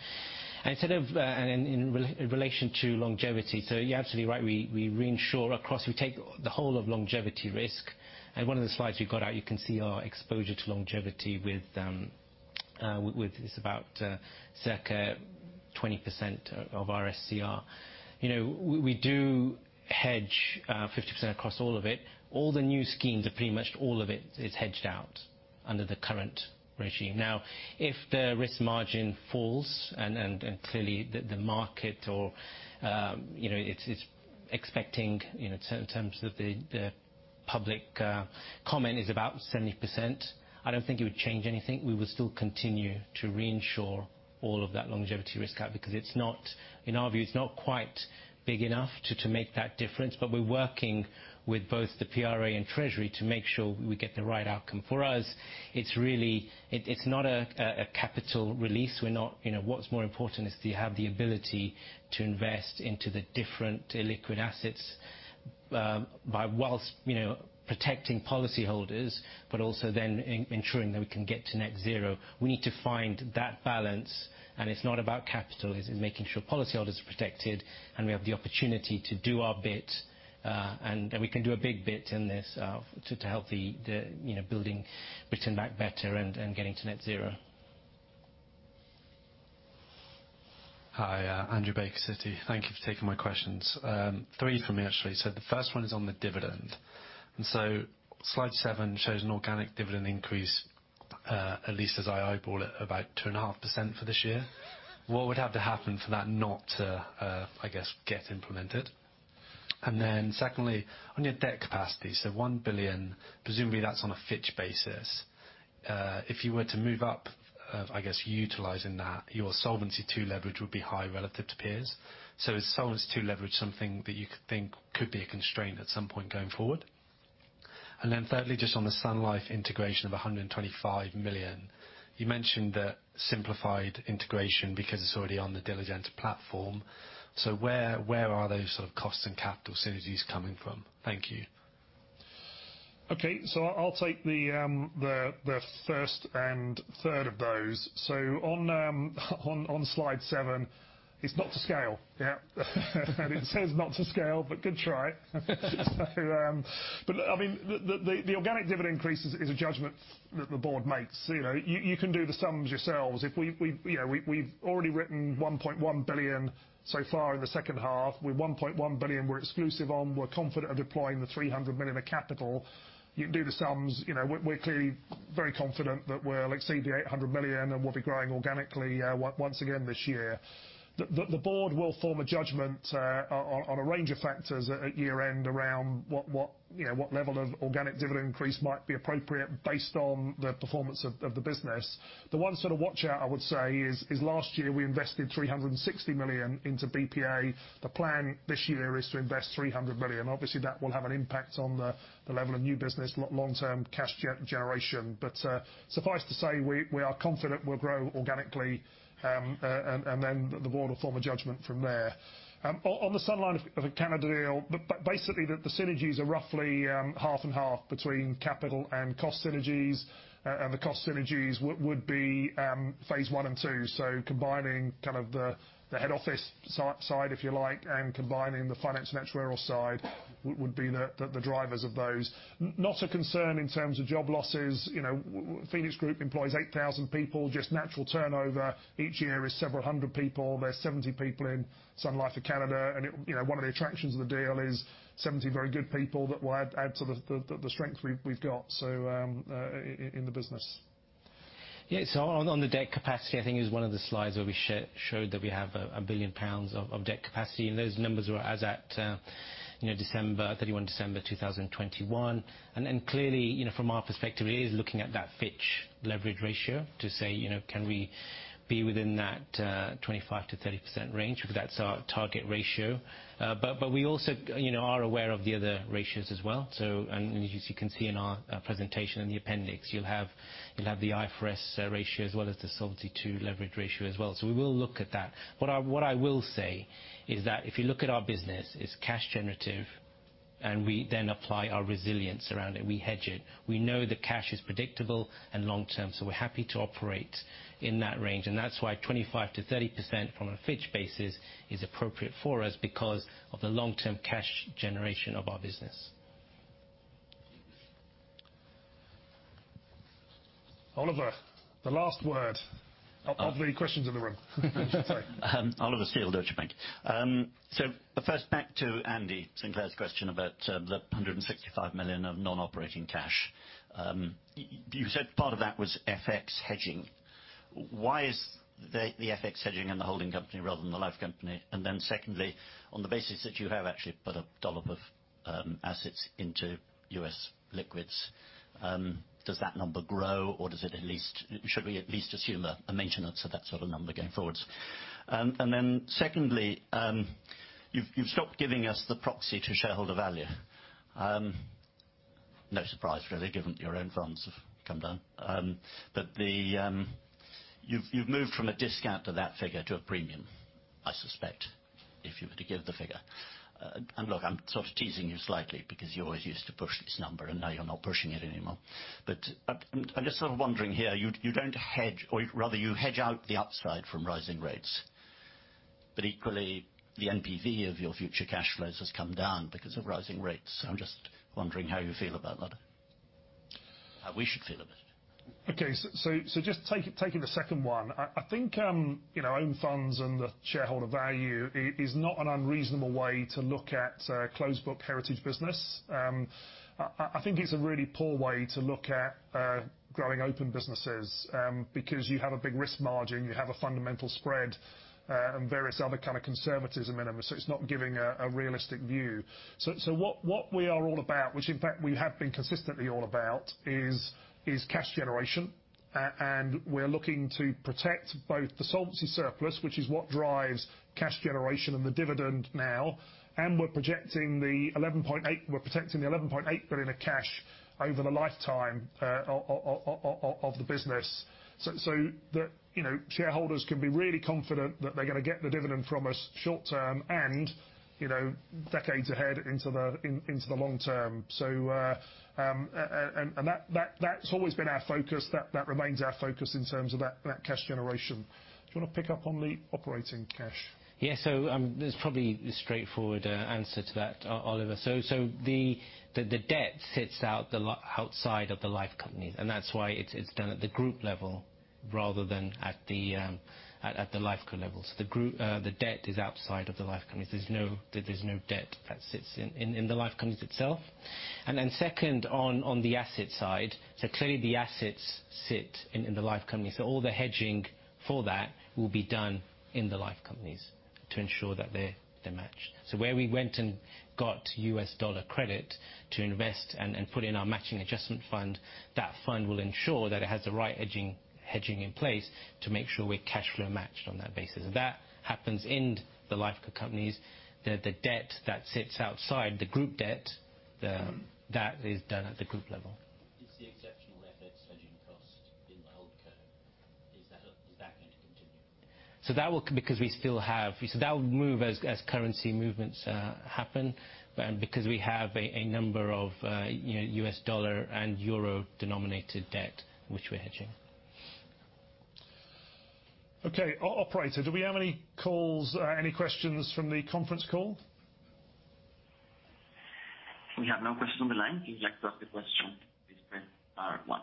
Sort of in relation to longevity. You're absolutely right. We reinsure across. We take the whole of longevity risk, and one of the slides we got out, you can see our exposure to longevity with. It's about circa 20% of our SCR. You know, we do hedge 50% across all of it. All the new schemes are pretty much all of it is hedged out under the current regime. Now, if the Risk Margin falls and clearly the market or you know, it's expecting you know, in terms of the public comment is about 70%, I don't think it would change anything. We would still continue to reinsure all of that longevity risk out, because it's not. In our view, it's not quite big enough to make that difference. We're working with both the PRA and Treasury to make sure we get the right outcome. For us, it's really. It's not a capital release. We're not-- You know, what's more important is to have the ability to invest into the different illiquid assets by whilst, you know, protecting policyholders, but also ensuring that we can get to net zero. We need to find that balance, and it's not about capital. It's making sure policyholders are protected, and we have the opportunity to do our bit. We can do a big bit in this to help the Building Britain Back Better and getting to net zero. Hi. Andrew Baker, Citi. Thank you for taking my questions. Three for me, actually. The first one is on the dividend. Slide 7 shows an organic dividend increase, at least as I eyeball it, about 2.5% for this year. What would have to happen for that not to, I guess, get implemented? Secondly, on your debt capacity, 1 billion, presumably that's on a Fitch basis. If you were to move up, I guess, utilizing that, your Solvency II leverage would be high relative to peers. Is Solvency II leverage something that you could think could be a constraint at some point going forward? Thirdly, just on the Sun Life integration of 125 million. You mentioned the simplified integration because it's already on the Diligenta platform. Where are those sort of costs and capital synergies coming from? Thank you. Okay. I'll take the first and third of those. On slide 7, it's not to scale. Yeah. It says, "Not to scale," but good try. Look, I mean, the organic dividend increase is a judgment that the board makes. You know, you can do the sums yourselves. We've already written 1.1 billion so far in the second half. We've 1.1 billion we're exclusive on. We're confident of deploying the 300 million of capital. You can do the sums. You know, we're clearly very confident that we'll exceed the 800 million, and we'll be growing organically once again this year. The board will form a judgment on a range of factors at year-end around what you know what level of organic dividend increase might be appropriate based on the performance of the business. The one sort of watch-out I would say is last year we invested 360 million into BPA. The plan this year is to invest 300 million. Obviously, that will have an impact on the level of new business long-term cash generation. Suffice to say, we are confident we'll grow organically. The board will form a judgment from there. On the Sun Life of Canada deal, basically the synergies are roughly half and half between capital and cost synergies. The cost synergies would be phase I and II. Combining kind of the head office side, if you like, and combining the finance and actuarial side would be the drivers of those. Not a concern in terms of job losses. You know, Phoenix Group employs 8,000 people. Just natural turnover each year is several hundred people. There's 70 people in Sun Life of Canada. You know, one of the attractions of the deal is 70 very good people that will add to the strength we've got in the business. Yes. On the debt capacity, I think it was one of the slides where we showed that we have 1 billion pounds of debt capacity, and those numbers were as at, you know, December 31, 2021. Then clearly, you know, from our perspective, it is looking at that Fitch leverage ratio to say, you know, can we be within that 25%-30% range, because that's our target ratio. But we also, you know, are aware of the other ratios as well. As you can see in our presentation in the appendix, you'll have the IFRS ratio as well as the Solvency II leverage ratio as well. We will look at that. What I will say is that if you look at our business, it's cash generative, and we then apply our resilience around it. We hedge it. We know the cash is predictable and long-term, so we're happy to operate in that range. That's why 25%-30% from a Fitch basis is appropriate for us because of the long-term cash generation of our business. Oliver, the last word on the questions in the room. Oliver Steel, Deutsche Bank. First back to Andy Sinclair's question about the 165 million of non-operating cash. You said part of that was FX hedging. Why is the FX hedging in the holding company rather than the life company? Secondly, on the basis that you have actually put a dollop of assets into U.S. liquid assets, does that number grow, or should we at least assume a maintenance of that sort of number going forwards? Secondly, you've stopped giving us the proxy to shareholder value. No surprise really, given your own firms have come down. You've moved from a discount to that figure to a premium, I suspect, if you were to give the figure. Look, I'm sort of teasing you slightly because you always used to push this number, and now you're not pushing it anymore. I'm just sort of wondering here, you don't hedge, or rather you hedge out the upside from rising rates. Equally, the NPV of your future cash flows has come down because of rising rates. I'm just wondering how you feel about that. How we should feel about it. Okay. Just taking the second one. I think, you know, Own Funds and the shareholder value is not an unreasonable way to look at a closed book heritage business. I think it's a really poor way to look at growing open businesses because you have a big Risk Margin, you have a Fundamental Spread and various other kind of conservatism in them. So it's not giving a realistic view. What we are all about, which in fact we have been consistently all about is cash generation. And we're looking to protect both the solvency surplus, which is what drives cash generation and the dividend now, and we're protecting the 11.8 billion in cash over the lifetime of the business. Shareholders can be really confident that they're gonna get the dividend from us short-term and, you know, decades ahead into the long term. That's always been our focus. That remains our focus in terms of that cash generation. Do you wanna pick up on the operating cash? Yeah. There's probably a straightforward answer to that, Oliver. The debt sits outside of the life companies, and that's why it's done at the group level rather than at the life co level. The debt is outside of the life companies. There's no debt that sits in the life companies itself. Then second, on the asset side. Clearly the assets sit in the life companies. All the hedging for that will be done in the life companies to ensure that they're matched. Where we went and got U.S. dollar credit to invest and put in our Matching Adjustment fund, that fund will ensure that it has the right hedging in place to make sure we're cash flow matched on that basis. That happens in the life companies. The debt that sits outside the group debt, that is done at the group level. Is the exceptional FX hedging cost in the holdco, is that going to continue? That will move as currency movements happen, because we have a number of, you know, U.S. dollar and euro-denominated debt which we're hedging. Okay. Operator, do we have any calls, any questions from the conference call? We have no questions on the line. You just have the question, please press star one.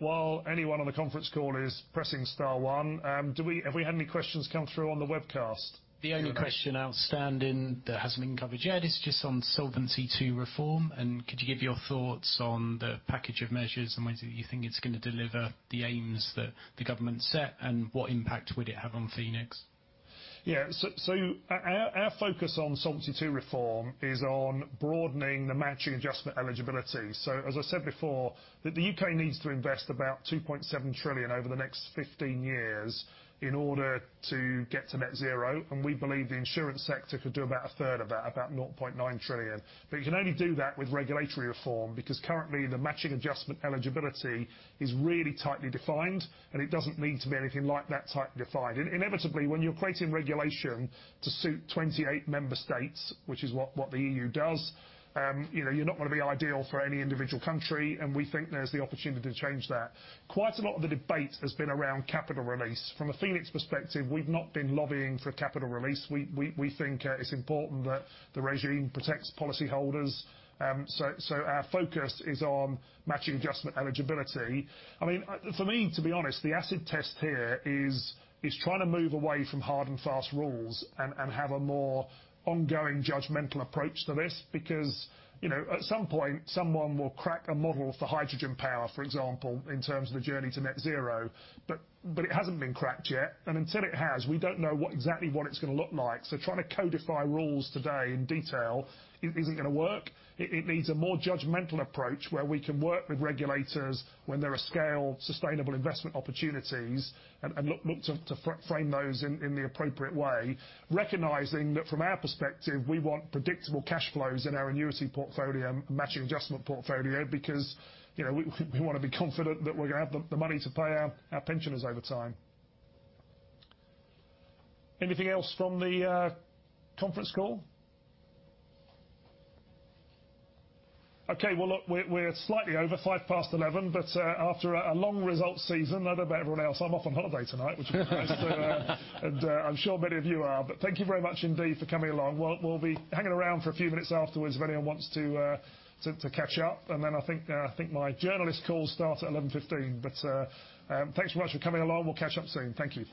While anyone on the conference call is pressing star one, have we had any questions come through on the webcast, [Anna]? The only question outstanding that hasn't been covered yet is just on Solvency II reform. Could you give your thoughts on the package of measures and whether you think it's gonna deliver the aims that the government set, and what impact would it have on Phoenix? Our focus on Solvency II reform is on broadening the Matching Adjustment eligibility. As I said before, the U.K. needs to invest about 2.7 trillion over the next 15 years in order to get to net zero, and we believe the insurance sector could do about a third of that, about 0.9 trillion. You can only do that with regulatory reform, because currently the Matching Adjustment eligibility is really tightly defined, and it doesn't need to be anything like that tightly defined. Inevitably, when you're creating regulation to suit 28 member states, which is what the E.U. does, you know, you're not gonna be ideal for any individual country, and we think there's the opportunity to change that. Quite a lot of the debate has been around capital release. From a Phoenix perspective, we've not been lobbying for capital release. We think it's important that the regime protects policyholders. Our focus is on Matching Adjustment eligibility. I mean, for me, to be honest, the acid test here is trying to move away from hard and fast rules and have a more ongoing judgmental approach to this. Because, you know, at some point, someone will crack a model for hydrogen power, for example, in terms of the journey to net zero. It hasn't been cracked yet. Until it has, we don't know exactly what it's gonna look like. Trying to codify rules today in detail isn't gonna work. It needs a more judgmental approach where we can work with regulators when there are scale sustainable investment opportunities and look to frame those in the appropriate way, recognizing that from our perspective, we want predictable cash flows in our annuity portfolio, Matching Adjustment portfolio, because you know, we wanna be confident that we're gonna have the money to pay our pensioners over time. Anything else from the conference call? Okay. Well, look, we're slightly over 11:05 A.M. After a long results season, I don't know about everyone else, I'm off on holiday tonight, which is nice. I'm sure many of you are. Thank you very much indeed for coming along. We'll be hanging around for a few minutes afterwards if anyone wants to catch up. I think my journalist call starts at 11:15 A.M. Thanks so much for coming along. We'll catch up soon. Thank you.